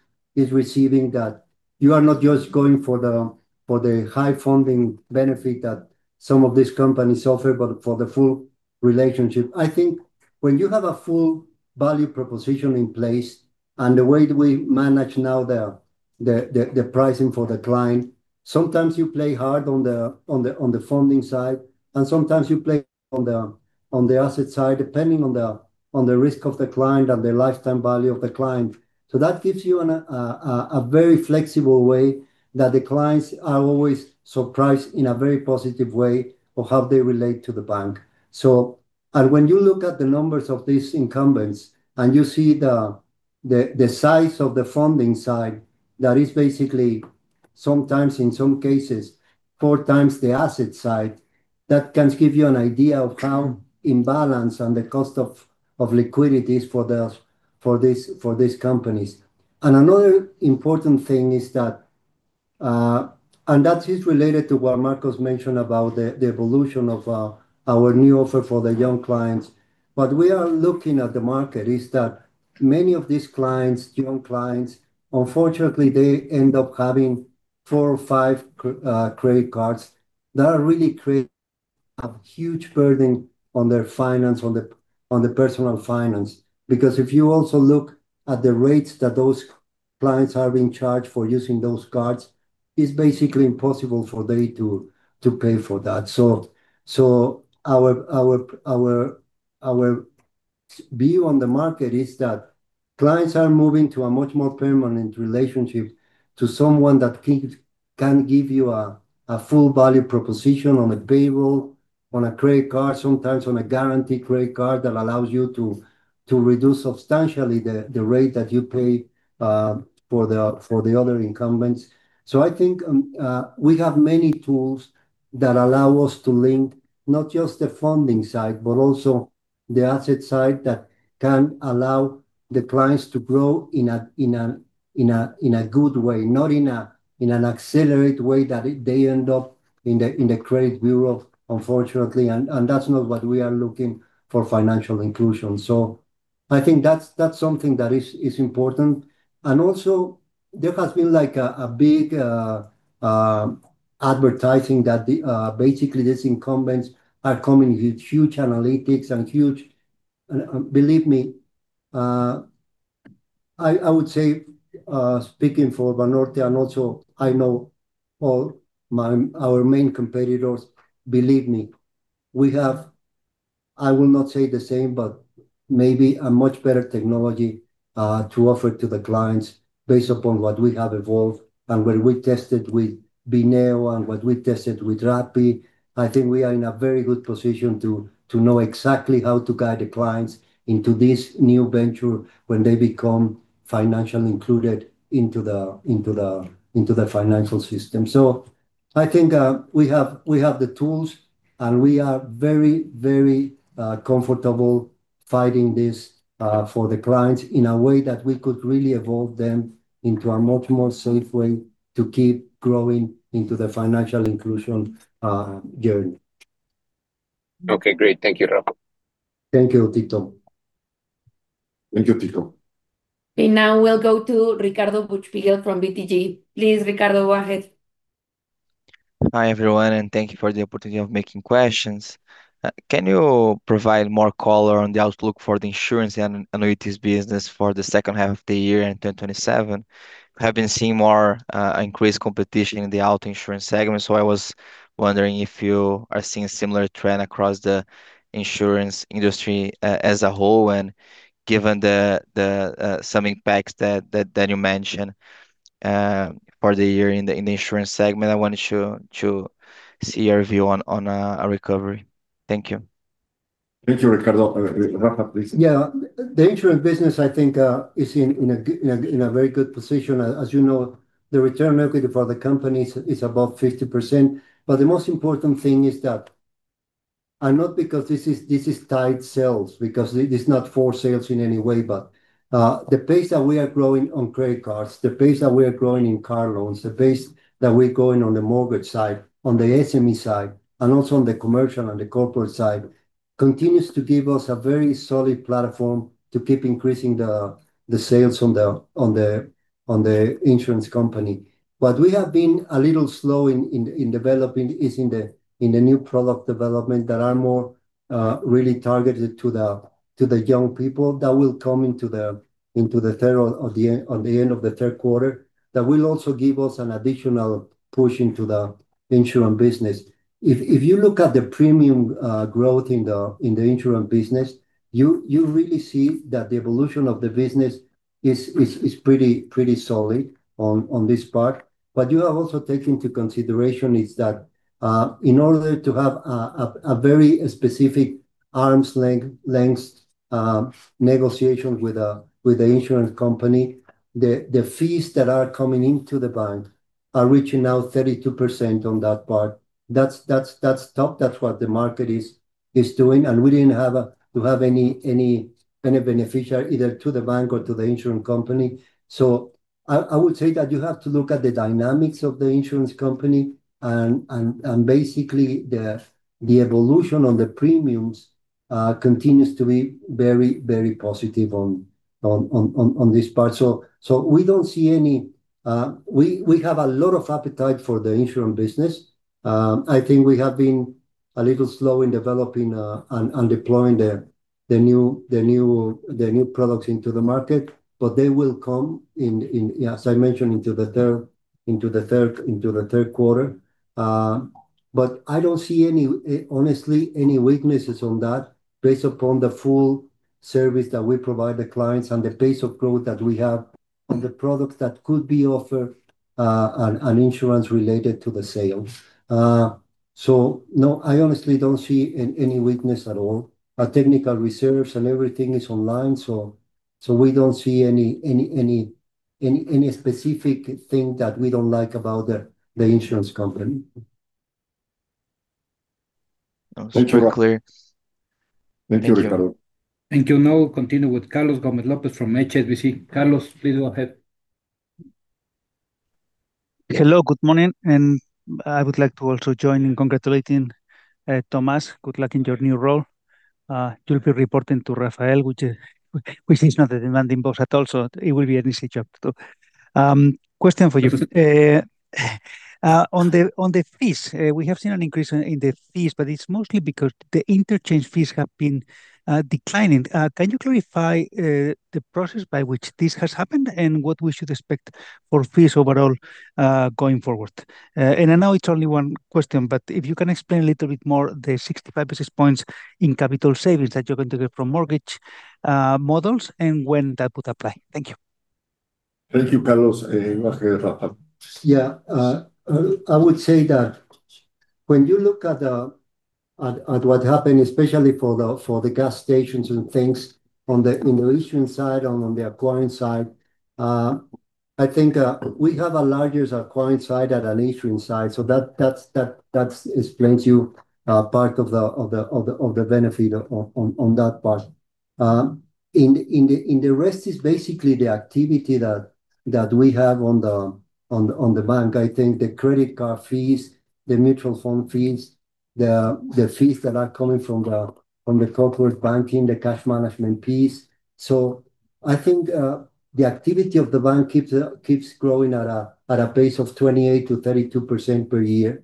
receiving that you are not just going for the high funding benefit that some of these companies offer, but for the full relationship. I think when you have a full value proposition in place, and the way we manage now the pricing for the client, sometimes you play hard on the funding side, and sometimes you play on the asset side, depending on the risk of the client and the lifetime value of the client. That gives you a very flexible way that the clients are always surprised in a very positive way of how they relate to the bank. When you look at the numbers of these incumbents and you see the size of the funding side, that is basically sometimes in some cases, four times the asset side, that can give you an idea of how imbalance and the cost of liquidity is for these companies. Another important thing is that. That is related to what Marcos mentioned about the evolution of our new offer for the young clients. What we are looking at the market is that many of these clients, young clients, unfortunately, they end up having four or five credit cards that really create a huge burden on their personal finance. Because if you also look at the rates that those clients are being charged for using those cards, it is basically impossible for them to pay for that. Our view on the market is that clients are moving to a much more permanent relationship to someone that can give you a full value proposition on a payroll, on a credit card, sometimes on a guaranteed credit card that allows you to reduce substantially the rate that you pay for the other incumbents. I think we have many tools that allow us to link not just the funding side, but also the asset side that can allow the clients to grow in a good way, not in an accelerated way that they end up in the credit bureau, unfortunately, That is not what we are looking for financial inclusion. I think that is something that is important. Also there has been a big advertising that basically these incumbents are coming with huge analytics. Believe me, I would say, speaking for Banorte, and also I know all our main competitors, believe me, we have, I will not say the same, but maybe a much better technology to offer to the clients based upon what we have evolved and what we tested with bineo and what we tested with Rappi. I think we are in a very good position to know exactly how to guide the clients into this new venture when they become financially included into the financial system. I think we have the tools, and we are very comfortable fighting this for the clients in a way that we could really evolve them into a much more safe way to keep growing into the financial inclusion journey. Okay, great. Thank you, Rafa. Thank you, Tito. Thank you, Tito. Now we'll go to Ricardo Buchpiguel from BTG. Please, Ricardo, go ahead. Hi, everyone. Thank you for the opportunity of making questions. Can you provide more color on the outlook for the insurance and annuities business for the second half of the year and 2027? We have been seeing more increased competition in the auto insurance segment, I was wondering if you are seeing a similar trend across the insurance industry as a whole. Given some impacts that you mentioned for the year in the insurance segment, I wanted to see your view on a recovery. Thank you. Thank you, Ricardo. Rafa, please. Yeah. The insurance business, I think, is in a very good position. As you know, the return on equity for the company is above 50%. The most important thing is that, not because this is tied sales, because it's not for sales in any way, but the pace that we are growing on credit cards, the pace that we are growing in car loans, the pace that we're growing on the mortgage side, on the SME side, and also on the commercial and the corporate side, continues to give us a very solid platform to keep increasing the sales on the insurance company. What we have been a little slow in developing is in the new product development that are more really targeted to the young people that will come into on the end of the third quarter. That will also give us an additional push into the insurance business. If you look at the premium growth in the insurance business, you really see that the evolution of the business is pretty solid on this part. What you have also take into consideration is that in order to have a very specific arm's length negotiation with the insurance company, the fees that are coming into the bank are reaching now 32% on that part. That's top. That's what the market is doing, and we didn't have to have any beneficial either to the bank or to the insurance company. I would say that you have to look at the dynamics of the insurance company, and basically, the evolution on the premiums continues to be very positive on this part. We have a lot of appetite for the insurance business. I think we have been a little slow in developing and deploying the new products into the market, they will come in, as I mentioned, into the third quarter. I don't see, honestly, any weaknesses on that based upon the full service that we provide the clients and the pace of growth that we have on the products that could be offered, and insurance related to the sale. No, I honestly don't see any weakness at all. Our technical reserves and everything is online, we don't see any specific thing that we don't like about the insurance company. Super clear. Thank you, Ricardo. Thank you. We continue with Carlos Gomez-Lopez from HSBC. Carlos, please go ahead. Hello. Good morning. I would like to also join in congratulating Tomás. Good luck in your new role. You will be reporting to Rafael, which is not a demanding boss at all, it will be an easy job to do. Question for you. On the fees, we have seen an increase in the fees, but it is mostly because the interchange fees have been declining. Can you clarify the process by which this has happened, and what we should expect for fees overall going forward? I know it is only one question, but if you can explain a little bit more, the 65 basis points in capital savings that you are going to get from mortgage models and when that would apply. Thank you. Thank you, Carlos. Back to you, Rafael. Yeah. I would say that when you look at what happened, especially for the gas stations and things on the issuing side and on the acquiring side, I think we have a larger acquiring side than an issuing side. That explains you part of the benefit on that part. The rest is basically the activity that we have on the bank. I think the credit card fees, the mutual fund fees, the fees that are coming from the corporate banking, the cash management piece. I think the activity of the bank keeps growing at a pace of 28%-32% per year.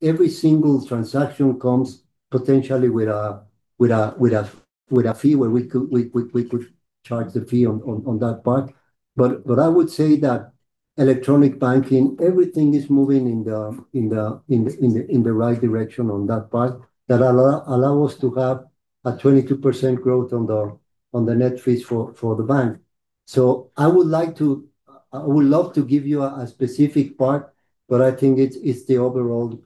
Every single transaction comes potentially with a fee where we could charge the fee on that part. I would say that electronic banking, everything is moving in the right direction on that part that allow us to have a 22% growth on the net fees for the bank. I would love to give you a specific part, but I think it's the overall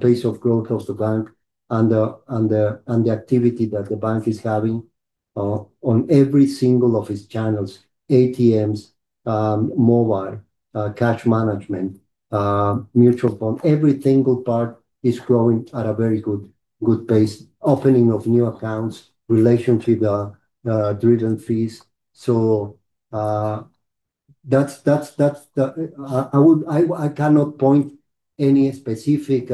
pace of growth of the bank and the activity that the bank is having on every single of its channels, ATMs, mobile, cash management, mutual bond, every single part is growing at a very good pace, opening of new accounts, relationship driven fees. I cannot point any specific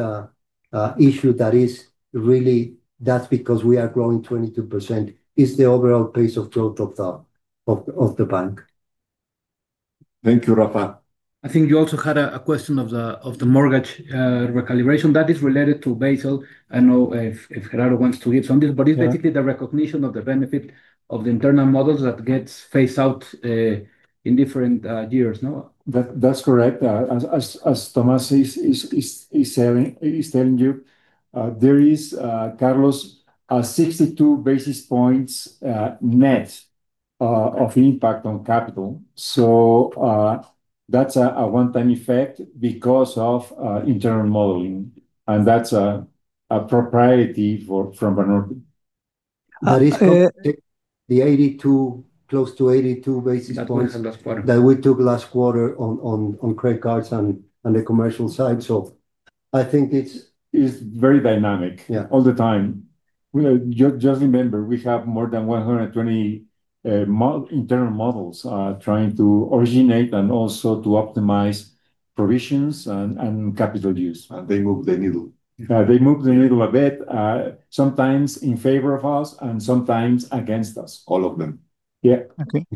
issue that is really that's because we are growing 22%, it's the overall pace of growth of the bank. Thank you, Rafa. I think you also had a question of the mortgage recalibration that is related to Basel. I know if Gerardo wants to hit on this, but it's basically the recognition of the benefit of the internal models that gets phased out in different years. No? That's correct. As Tomás is telling you, there is, Carlos, a 62 basis points net of impact on capital. That's a one-time effect because of internal modeling, and that's a propriety from Banorte. At least the close to 82 basis points that we took last quarter on credit cards and the commercial side I think it's It's very dynamic. Yeah. All the time. Just remember, we have more than 120 internal models trying to originate and also to optimize provisions and capital use. They move the needle. They move the needle a bit, sometimes in favor of us and sometimes against us. All of them. Yeah. Okay.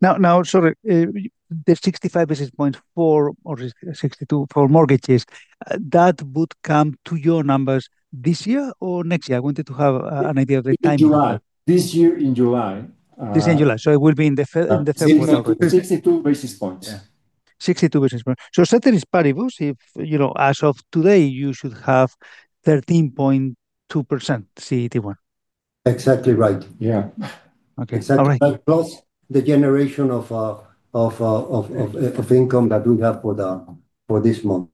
Now, sorry, the 65 basis points for, or 62 for mortgages, that would come to your numbers this year or next year? I wanted to have an idea of the timing. This year in July. This year in July. It will be in the third quarter. 62 basis points. 62 basis points. Ceteris paribus, as of today, you should have 13.2% CET1. Exactly right. Yeah. Okay. All right. Plus the generation of income that we have for this month.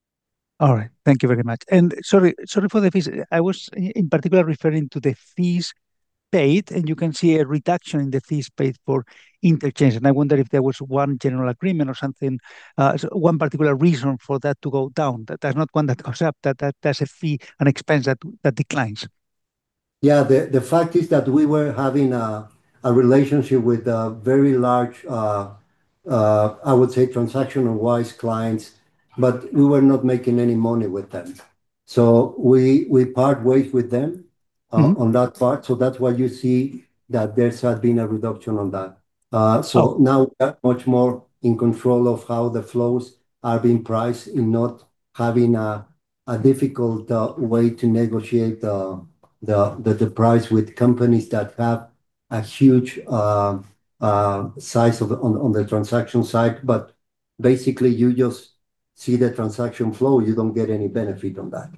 All right. Thank you very much. Sorry for the fees. I was in particular referring to the fees paid, and you can see a reduction in the fees paid for interchange. I wonder if there was one general agreement or something, one particular reason for that to go down. That there's not one that goes up, that there's a fee, an expense that declines. Yeah. The fact is that we were having a relationship with a very large, I would say transactional wise clients, but we were not making any money with them. We part ways with them on that part. That's why you see that there's been a reduction on that. Now we are much more in control of how the flows are being priced and not having a difficult way to negotiate the price with companies that have a huge size on the transaction side. Basically, you just see the transaction flow, you don't get any benefit on that.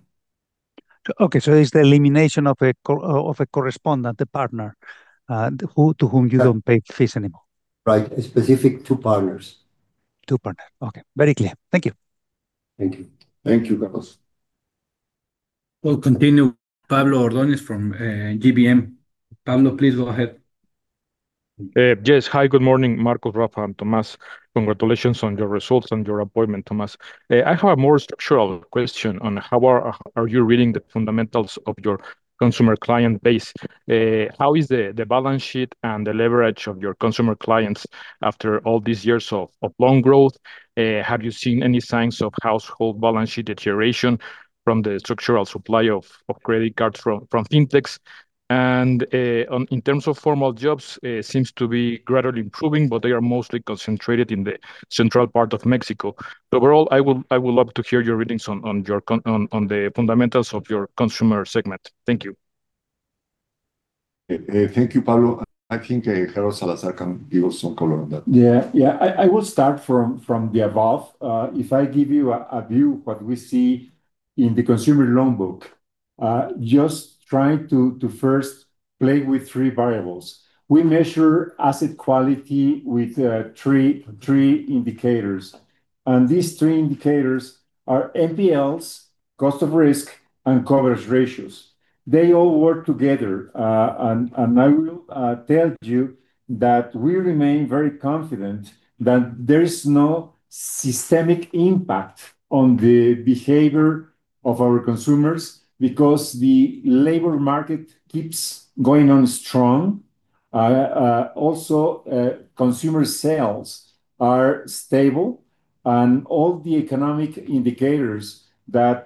Okay. It's the elimination of a correspondent, the partner, to whom you don't pay fees anymore. Right. A specific two partners. Two partners. Okay. Very clear. Thank you. Thank you, Carlos. We'll continue. Pablo Ordóñez from GBM. Pablo, please go ahead. Hi, good morning, Marcos, Rafa and Tomás. Congratulations on your results and your appointment, Tomás. I have a more structural question on how are you reading the fundamentals of your consumer client base. How is the balance sheet and the leverage of your consumer clients after all these years of loan growth? Have you seen any signs of household balance sheet deterioration from the structural supply of credit cards from fintechs? In terms of formal jobs, seems to be gradually improving, but they are mostly concentrated in the central part of Mexico. Overall, I would love to hear your readings on the fundamentals of your consumer segment. Thank you. Thank you, Pablo. I think Gerardo Salazar can give us some color on that. I will start from the above. If I give you a view what we see in the consumer loan book, just trying to first play with three variables. We measure asset quality with three indicators, these three indicators are NPLs, cost of risk, and coverage ratios. They all work together, I will tell you that we remain very confident that there is no systemic impact on the behavior of our consumers because the labor market keeps going on strong. Also, consumer sales are stable and all the economic indicators that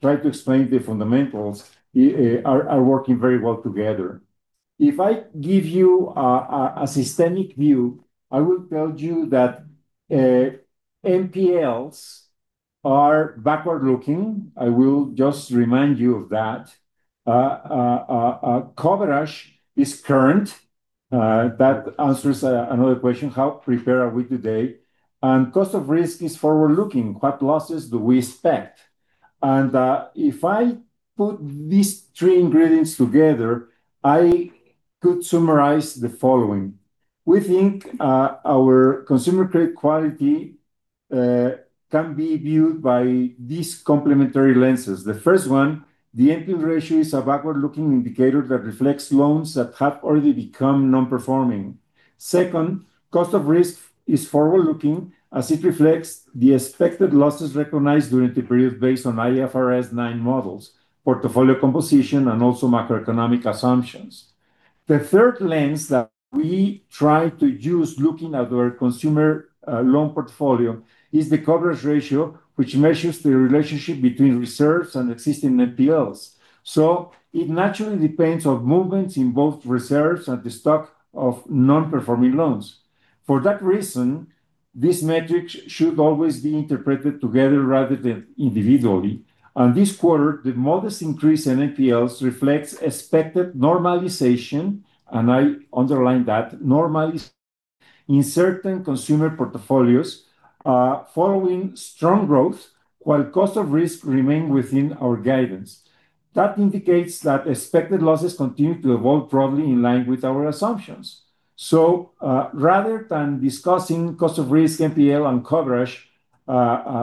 try to explain the fundamentals are working very well together. If I give you a systemic view, I will tell you that NPLs are backward-looking. I will just remind you of that. Coverage is current. That answers another question, how prepared are we today? Cost of risk is forward-looking, what losses do we expect? If I put these three ingredients together, I could summarize the following. We think our consumer credit quality can be viewed by these complementary lenses. The first one, the NPL ratio is a backward-looking indicator that reflects loans that have already become non-performing. Second, cost of risk is forward-looking, as it reflects the expected losses recognized during the period based on IFRS 9 models, portfolio composition, and also macroeconomic assumptions. The third lens that we try to use looking at our consumer loan portfolio is the coverage ratio, which measures the relationship between reserves and existing NPLs. It naturally depends on movements in both reserves and the stock of non-performing loans. For that reason, this metric should always be interpreted together rather than individually. This quarter, the modest increase in NPLs reflects expected normalization, and I underline that, normalization in certain consumer portfolios following strong growth, while cost of risk remain within our guidance. That indicates that expected losses continue to evolve broadly in line with our assumptions. Rather than discussing cost of risk, NPL and coverage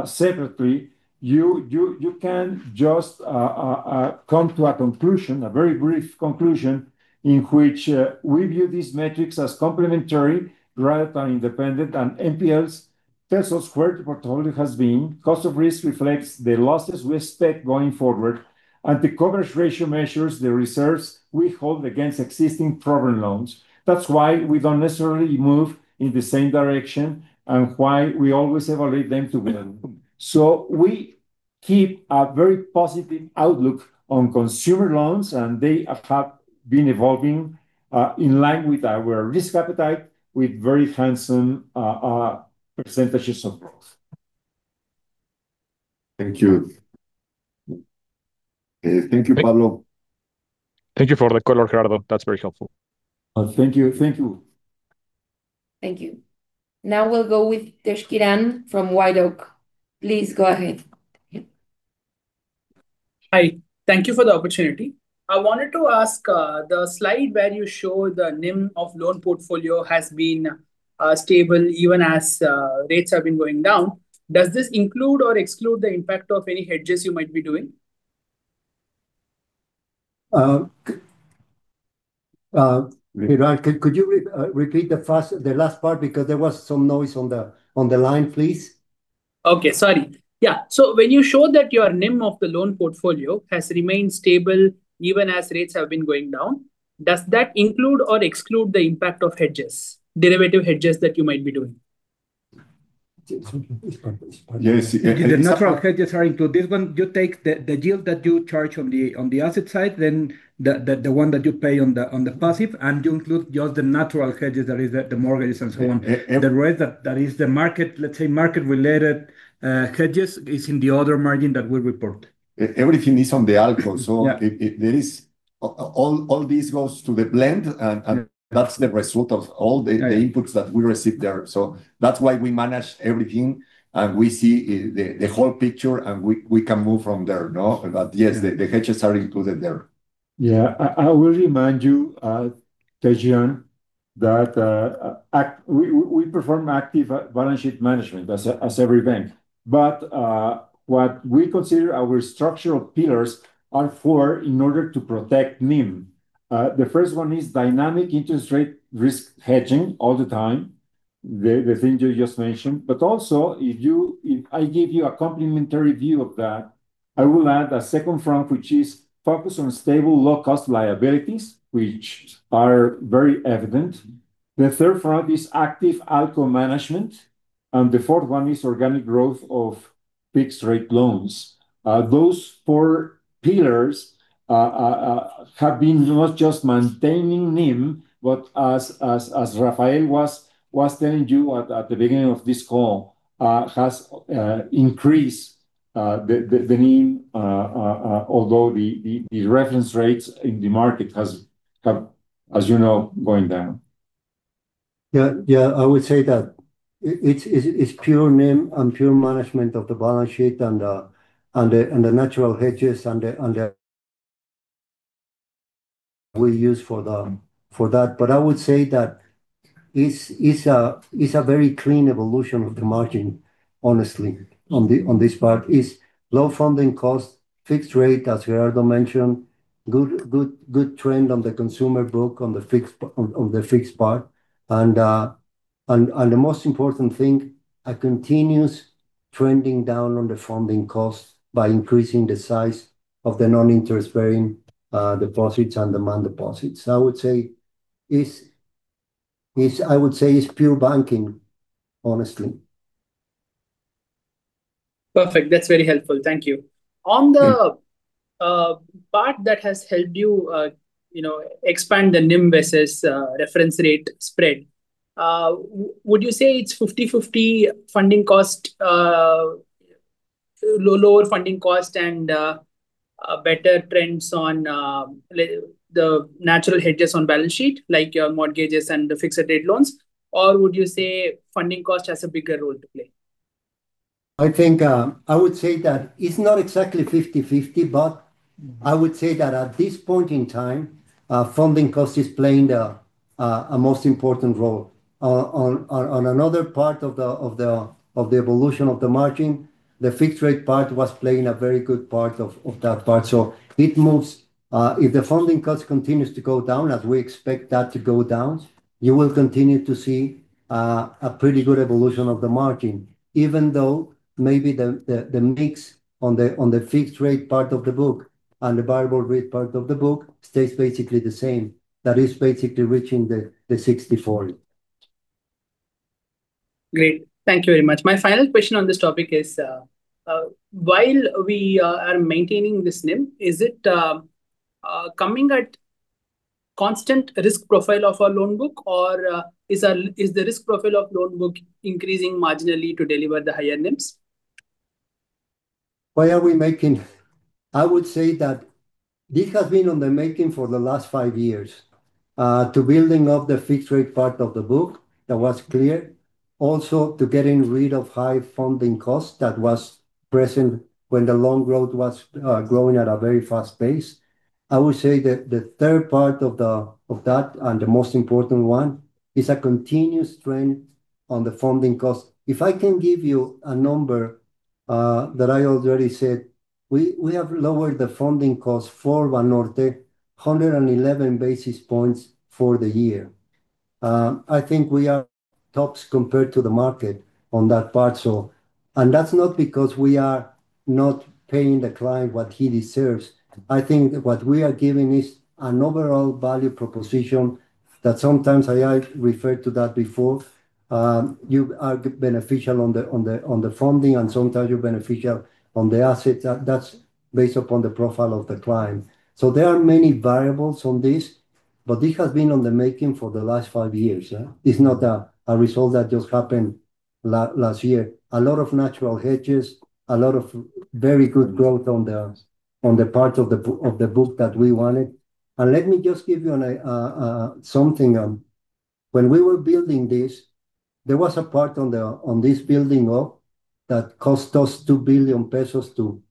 separately, you can just come to a conclusion, a very brief conclusion, in which we view these metrics as complementary rather than independent, and NPLs tells us where the portfolio has been. Cost of risk reflects the losses we expect going forward, and the coverage ratio measures the reserves we hold against existing problem loans. That's why we don't necessarily move in the same direction and why we always evaluate them together. We keep a very positive outlook on consumer loans, and they have been evolving in line with our risk appetite with very handsome percentages of growth. Thank you. Thank you, Pablo. Thank you for the color, Gerardo. That's very helpful. Thank you. Thank you. Now we'll go with Tej Kiran from White Oak. Please go ahead. Hi. Thank you for the opportunity. I wanted to ask, the slide where you show the NIM of loan portfolio has been stable even as rates have been going down. Does this include or exclude the impact of any hedges you might be doing? Tej Kiran, could you repeat the last part because there was some noise on the line, please? Okay. Sorry. Yeah. When you show that your NIM of the loan portfolio has remained stable even as rates have been going down, does that include or exclude the impact of hedges, derivative hedges that you might be doing? Yes. The natural hedges are included. When you take the yield that you charge on the asset side, then the one that you pay on the passive, and you include just the natural hedges, that is the mortgages and so on. The rest, that is the market, let's say market-related hedges, is in the other margin that we report. Everything is on the all-in. Yeah. All this goes to the blend, and that's the result of all the inputs that we receive there. That's why we manage everything, and we see the whole picture, and we can move from there, no? Yes, the hedges are included there. Yeah. I will remind you, Tej Kiran, that we perform active balance sheet management as every bank. What we consider our structural pillars are for in order to protect NIM. The first one is dynamic interest rate risk hedging all the time, the thing you just mentioned. Also, if I give you a complimentary view of that, I will add a second front, which is focused on stable low-cost liabilities, which are very evident. The third front is active outcome management, and the fourth one is organic growth of fixed-rate loans. Those four pillars have been not just maintaining NIM, but as Rafael was telling you at the beginning of this call, has increased the NIM, although the reference rates in the market have, as you know, going down. Yeah. I would say that it's pure NIM and pure management of the balance sheet and the natural hedges and the we use for that. I would say that it's a very clean evolution of the margin, honestly, on this part, is low funding cost, fixed rate, as Gerardo mentioned, good trend on the consumer book on the fixed part, and the most important thing, a continuous trending down on the funding cost by increasing the size of the non-interest-bearing deposits and demand deposits. I would say it's pure banking, honestly. Perfect. That's very helpful. Thank you. On the part that has helped you expand the NIM versus reference rate spread, would you say it's 50/50 funding cost, lower funding cost, and better trends on the natural hedges on balance sheet, like your mortgages and the fixed-rate loans? Would you say funding cost has a bigger role to play? I would say that it's not exactly 50/50, I would say that at this point in time, funding cost is playing a most important role. On another part of the evolution of the margin, the fixed-rate part was playing a very good part of that part. It moves, if the funding cost continues to go down as we expect that to go down, you will continue to see a pretty good evolution of the margin, even though maybe the mix on the fixed-rate part of the book and the variable rate part of the book stays basically the same, that is basically reaching the 60/40. Great. Thank you very much. My final question on this topic is, while we are maintaining this NIM, is it coming at constant risk profile of our loan book, or is the risk profile of loan book increasing marginally to deliver the higher NIMs? I would say that this has been on the making for the last five years, to building up the fixed-rate part of the book, that was clear. Also, to getting rid of high funding costs that was present when the loan growth was growing at a very fast pace. I would say that the third part of that, and the most important one, is a continuous trend on the funding cost. If I can give you a number that I already said, we have lowered the funding cost for Banorte 111 basis points for the year. I think we are tops compared to the market on that part. That's not because we are not paying the client what he deserves. I think what we are giving is an overall value proposition that sometimes, I referred to that before, you are beneficial on the funding, and sometimes you're beneficial on the assets. That's based upon the profile of the client. There are many variables on this, but this has been on the making for the last five years. It's not a result that just happened last year. A lot of natural hedges, a lot of very good growth on the part of the book that we wanted. Let me just give you something. When we were building this, there was a part on this building up that cost us 2 billion pesos to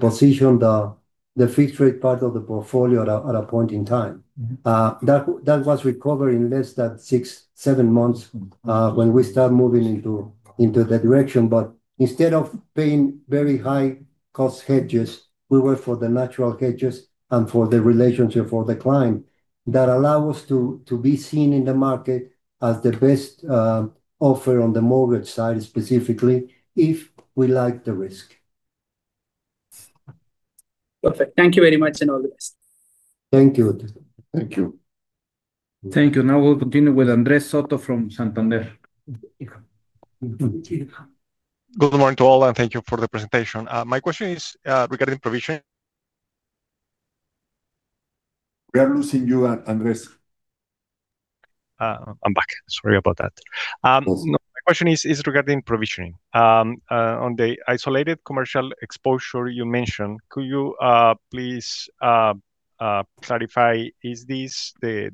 position the fixed-rate part of the portfolio at a point in time. That was recovered in less than six, seven months. When we start moving into that direction. Instead of paying very high cost hedges, we were for the natural hedges and for the relationship for the client that allow us to be seen in the market as the best offer on the mortgage side, specifically, if we like the risk. Perfect. Thank you very much, and all the best. Thank you. Thank you. Now we'll continue with Andres Soto from Santander. Good morning to all, and thank you for the presentation. My question is regarding provision- We are losing you, Andres. I'm back. Sorry about that. My question is regarding provisioning. On the isolated commercial exposure you mentioned, could you please clarify, is this the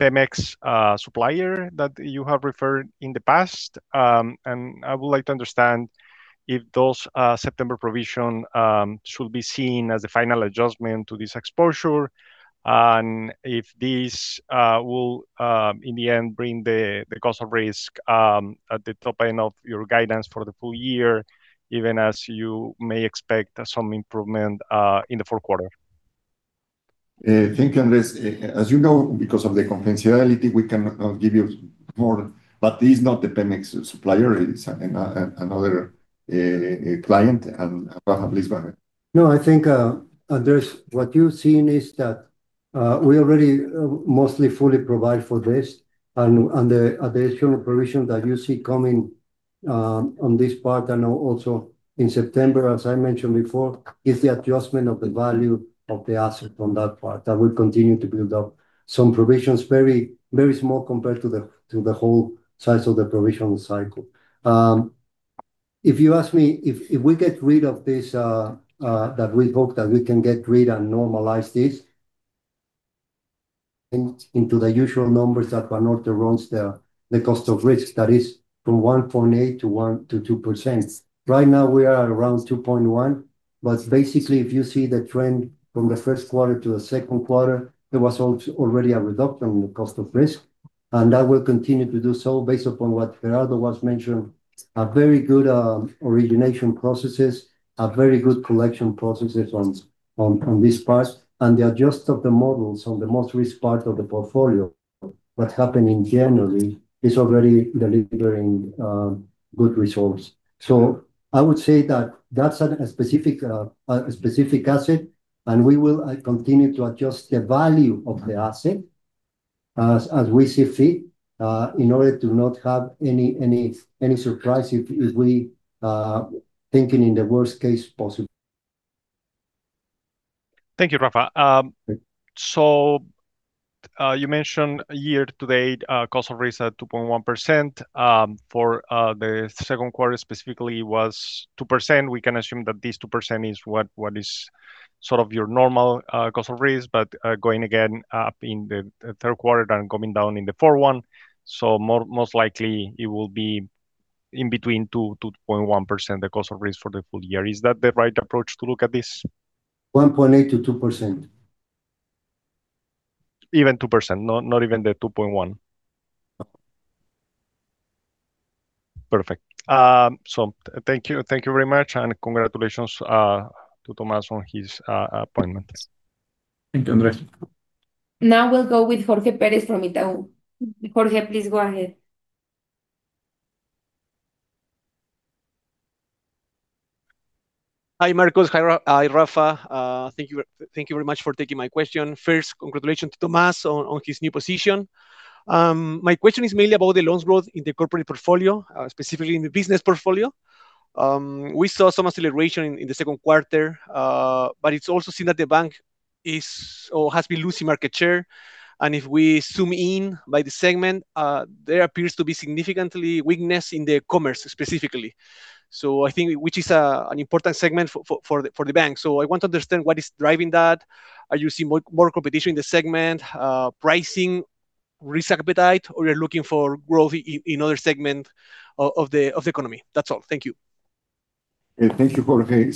Pemex supplier that you have referred in the past? I would like to understand if those September provisions should be seen as the final adjustment to this exposure, and if this will, in the end, bring the cost of risk at the top end of your guidance for the full year, even as you may expect some improvement in the fourth quarter. Thank you, Andres. As you know, because of the confidentiality, we cannot give you more, but this is not the Pemex supplier, it is another client. Rafa, please go ahead. I think, Andres, what you're seeing is that we already mostly fully provide for this, the additional provision that you see coming on this part, and also in September, as I mentioned before, is the adjustment of the value of the asset on that part. That will continue to build up some provisions, very small compared to the whole size of the provision cycle. If you ask me, if we get rid of this, that we hope that we can get rid and normalize this into the usual numbers that Banorte runs the cost of risk, that is from 1.8%-2%. Right now, we are around 2.1%, if you see the trend from the first quarter to the second quarter, there was already a reduction in the cost of risk. That will continue to do so based upon what Gerardo was mentioning, a very good origination processes, a very good collection processes on this part, the adjustment of the models on the most risk part of the portfolio. What happened in January is already delivering good results. I would say that that's a specific asset, we will continue to adjust the value of the asset as we see fit, in order to not have any surprise if we think in the worst case possible. Thank you, Rafa. You mentioned year to date, cost of risk at 2.1%. For the second quarter specifically was 2%. We can assume that this 2% is what is sort of your normal cost of risk, but going again up in the third quarter and coming down in the fourth one. Most likely, it will be in between 2%, 2.1%, the cost of risk for the full year. Is that the right approach to look at this? 1.8%-2%. Even 2%, not even the 2.1%. Perfect. Thank you. Thank you very much, and congratulations to Tomás on his appointment. Thank you, Andres. Now we will go with Jorge Perez from Itau. Jorge, please go ahead. Hi, Marcos. Hi, Rafa. Thank you very much for taking my question. First, congratulations to Tomás on his new position. My question is mainly about the loan growth in the corporate portfolio, specifically in the business portfolio. We saw some acceleration in the second quarter, but it is also seen that the bank has been losing market share. If we zoom in by the segment, there appears to be significant weakness in the commerce specifically. I think, which is an important segment for the bank. I want to understand what is driving that. Are you seeing more competition in the segment, pricing, risk appetite, or you are looking for growth in other segment of the economy? That is all. Thank you. Thank you, Jorge.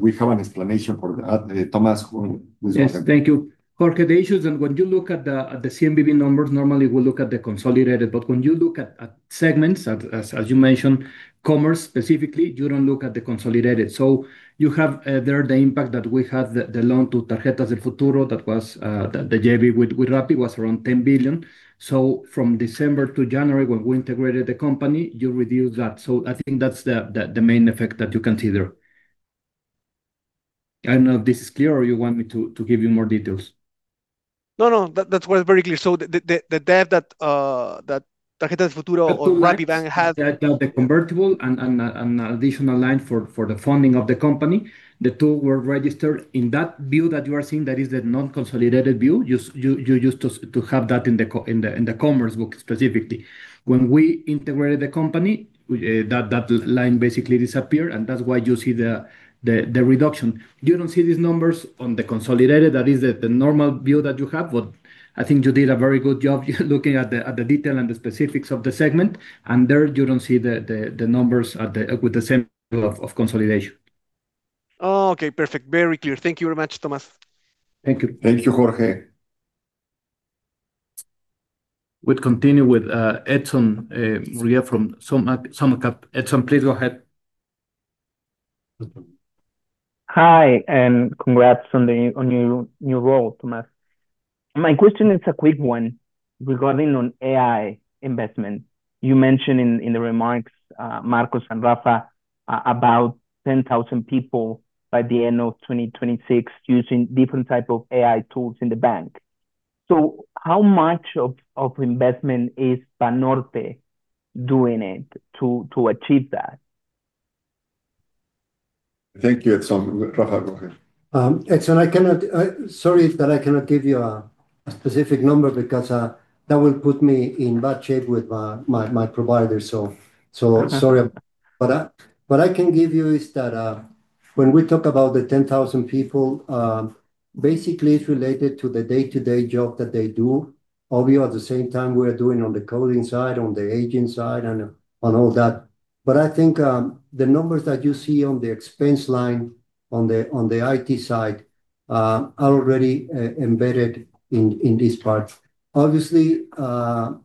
We have an explanation for that. Tomás, please go ahead. Yes. Thank you. Jorge, the issues, when you look at the CMBB numbers, normally we look at the consolidated, when you look at segments, as you mentioned, commerce specifically, you do not look at the consolidated. You have there the impact that we had, the loan to Tarjetas del Futuro, that was the JV with Rappi, was around 10 billion. From December to January, when we integrated the company, you remove that. I think that is the main effect that you can see there. I do not know if this is clear or you want me to give you more details. No, that is very clear. The debt that Tarjetas del Futuro or RappiBank has- The convertible and additional line for the funding of the company, the two were registered in that view that you are seeing, that is the non-consolidated view. You used to have that in the commerce book specifically. When we integrated the company, that line basically disappeared, and that is why you see the reduction. You do not see these numbers on the consolidated. That is the normal view that you have, but I think you did a very good job looking at the detail and the specifics of the segment, and there you do not see the numbers with the same view of consolidation. Oh, okay, perfect. Very clear. Thank you very much, Tomás. Thank you. Thank you, Jorge. We'll continue with Edson Murguia from SummaCap. Edson, please go ahead. Hi, congrats on your new role, Tomás. My question is a quick one regarding on AI investment. You mentioned in the remarks, Marcos and Rafa, about 10,000 people by the end of 2026 using different type of AI tools in the bank. How much of investment is Banorte doing it to achieve that? Thank you, Edson. Rafa, go ahead. Edson, sorry that I cannot give you a specific number because that will put me in bad shape with my provider. Sorry. What I can give you is that when we talk about the 10,000 people, basically it's related to the day-to-day job that they do. Obviously, at the same time, we are doing on the coding side, on the agent side, and on all that. I think the numbers that you see on the expense line on the IT side are already embedded in these parts. That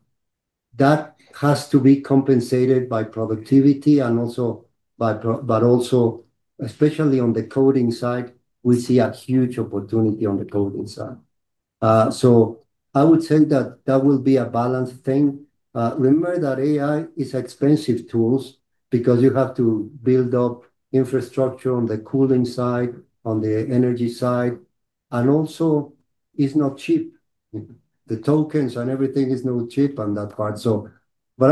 has to be compensated by productivity and also, especially on the coding side, we see a huge opportunity on the coding side. I would say that will be a balanced thing. Remember that AI is expensive tools because you have to build up infrastructure on the cooling side, on the energy side, and also is not cheap. The tokens and everything is not cheap on that part.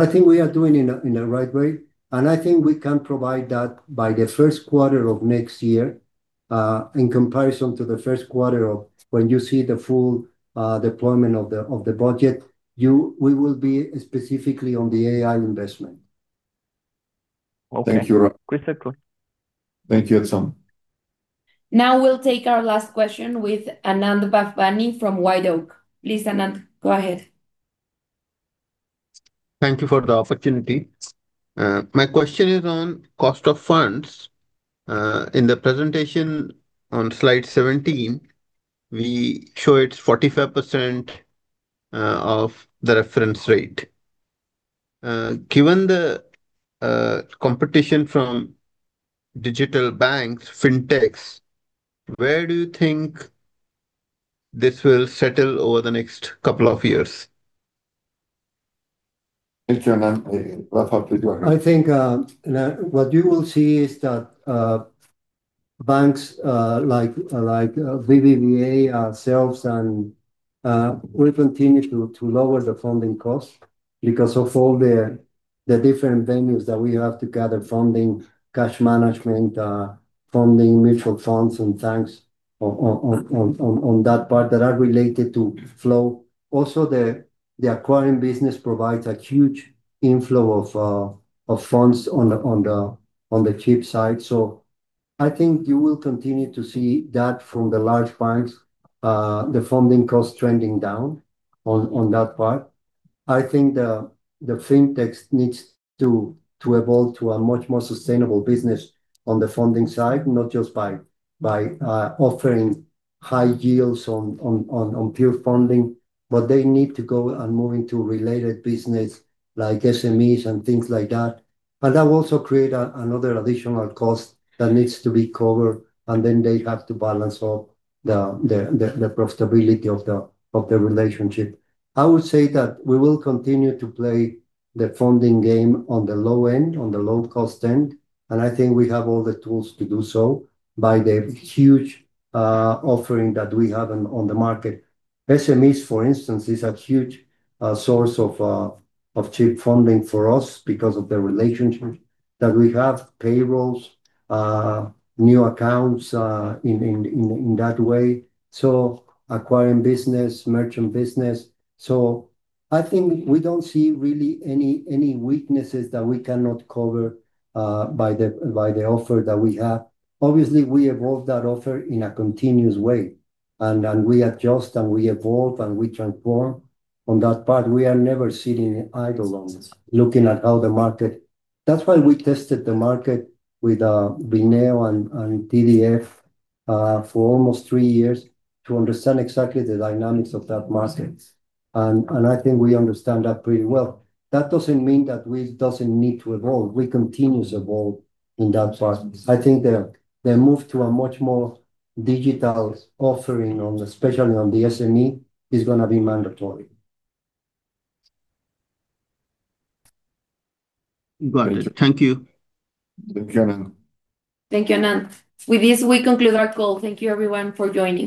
I think we are doing in the right way, and I think we can provide that by the first quarter of next year, in comparison to the first quarter of when you see the full deployment of the budget, we will be specifically on the AI investment. Thank you. Thank you, Edson. Now we'll take our last question with Anand Bhavnani from White Oak. Please, Anand, go ahead. Thank you for the opportunity. My question is on cost of funds. In the presentation on slide 17, we show it's 45% of the reference rate. Given the competition from digital banks, fintechs, where do you think this will settle over the next couple of years? Thank you, Anand. Rafa, to you. I think what you will see is that banks like BBVA ourselves, we continue to lower the funding cost because of all the different venues that we have to gather funding, cash management, funding mutual funds and banks on that part that are related to flow. Also, the acquiring business provides a huge inflow of funds on the cheap side. I think you will continue to see that from the large banks, the funding cost trending down on that part. I think the fintechs needs to evolve to a much more sustainable business on the funding side, not just by offering high yields on pure funding, but they need to go and move into related business like SMEs and things like that. That will also create another additional cost that needs to be covered, then they have to balance all the profitability of the relationship. I would say that we will continue to play the funding game on the low end, on the low-cost end, I think we have all the tools to do so by the huge offering that we have on the market. SMEs, for instance, is a huge source of cheap funding for us because of the relationship that we have, payrolls, new accounts in that way. Acquiring business, merchant business. I think we don't see really any weaknesses that we cannot cover by the offer that we have. Obviously, we evolve that offer in a continuous way, we adjust, we evolve, we transform on that part. We are never sitting idle on this. That's why we tested the market with bineo and TDF for almost three years to understand exactly the dynamics of that market. I think we understand that pretty well. That doesn't mean that we doesn't need to evolve. We continuously evolve in that process. I think the move to a much more digital offering, especially on the SME, is going to be mandatory. Got it. Thank you. Thank you, Anand. Thank you, Anand. With this, we conclude our call. Thank you everyone for joining.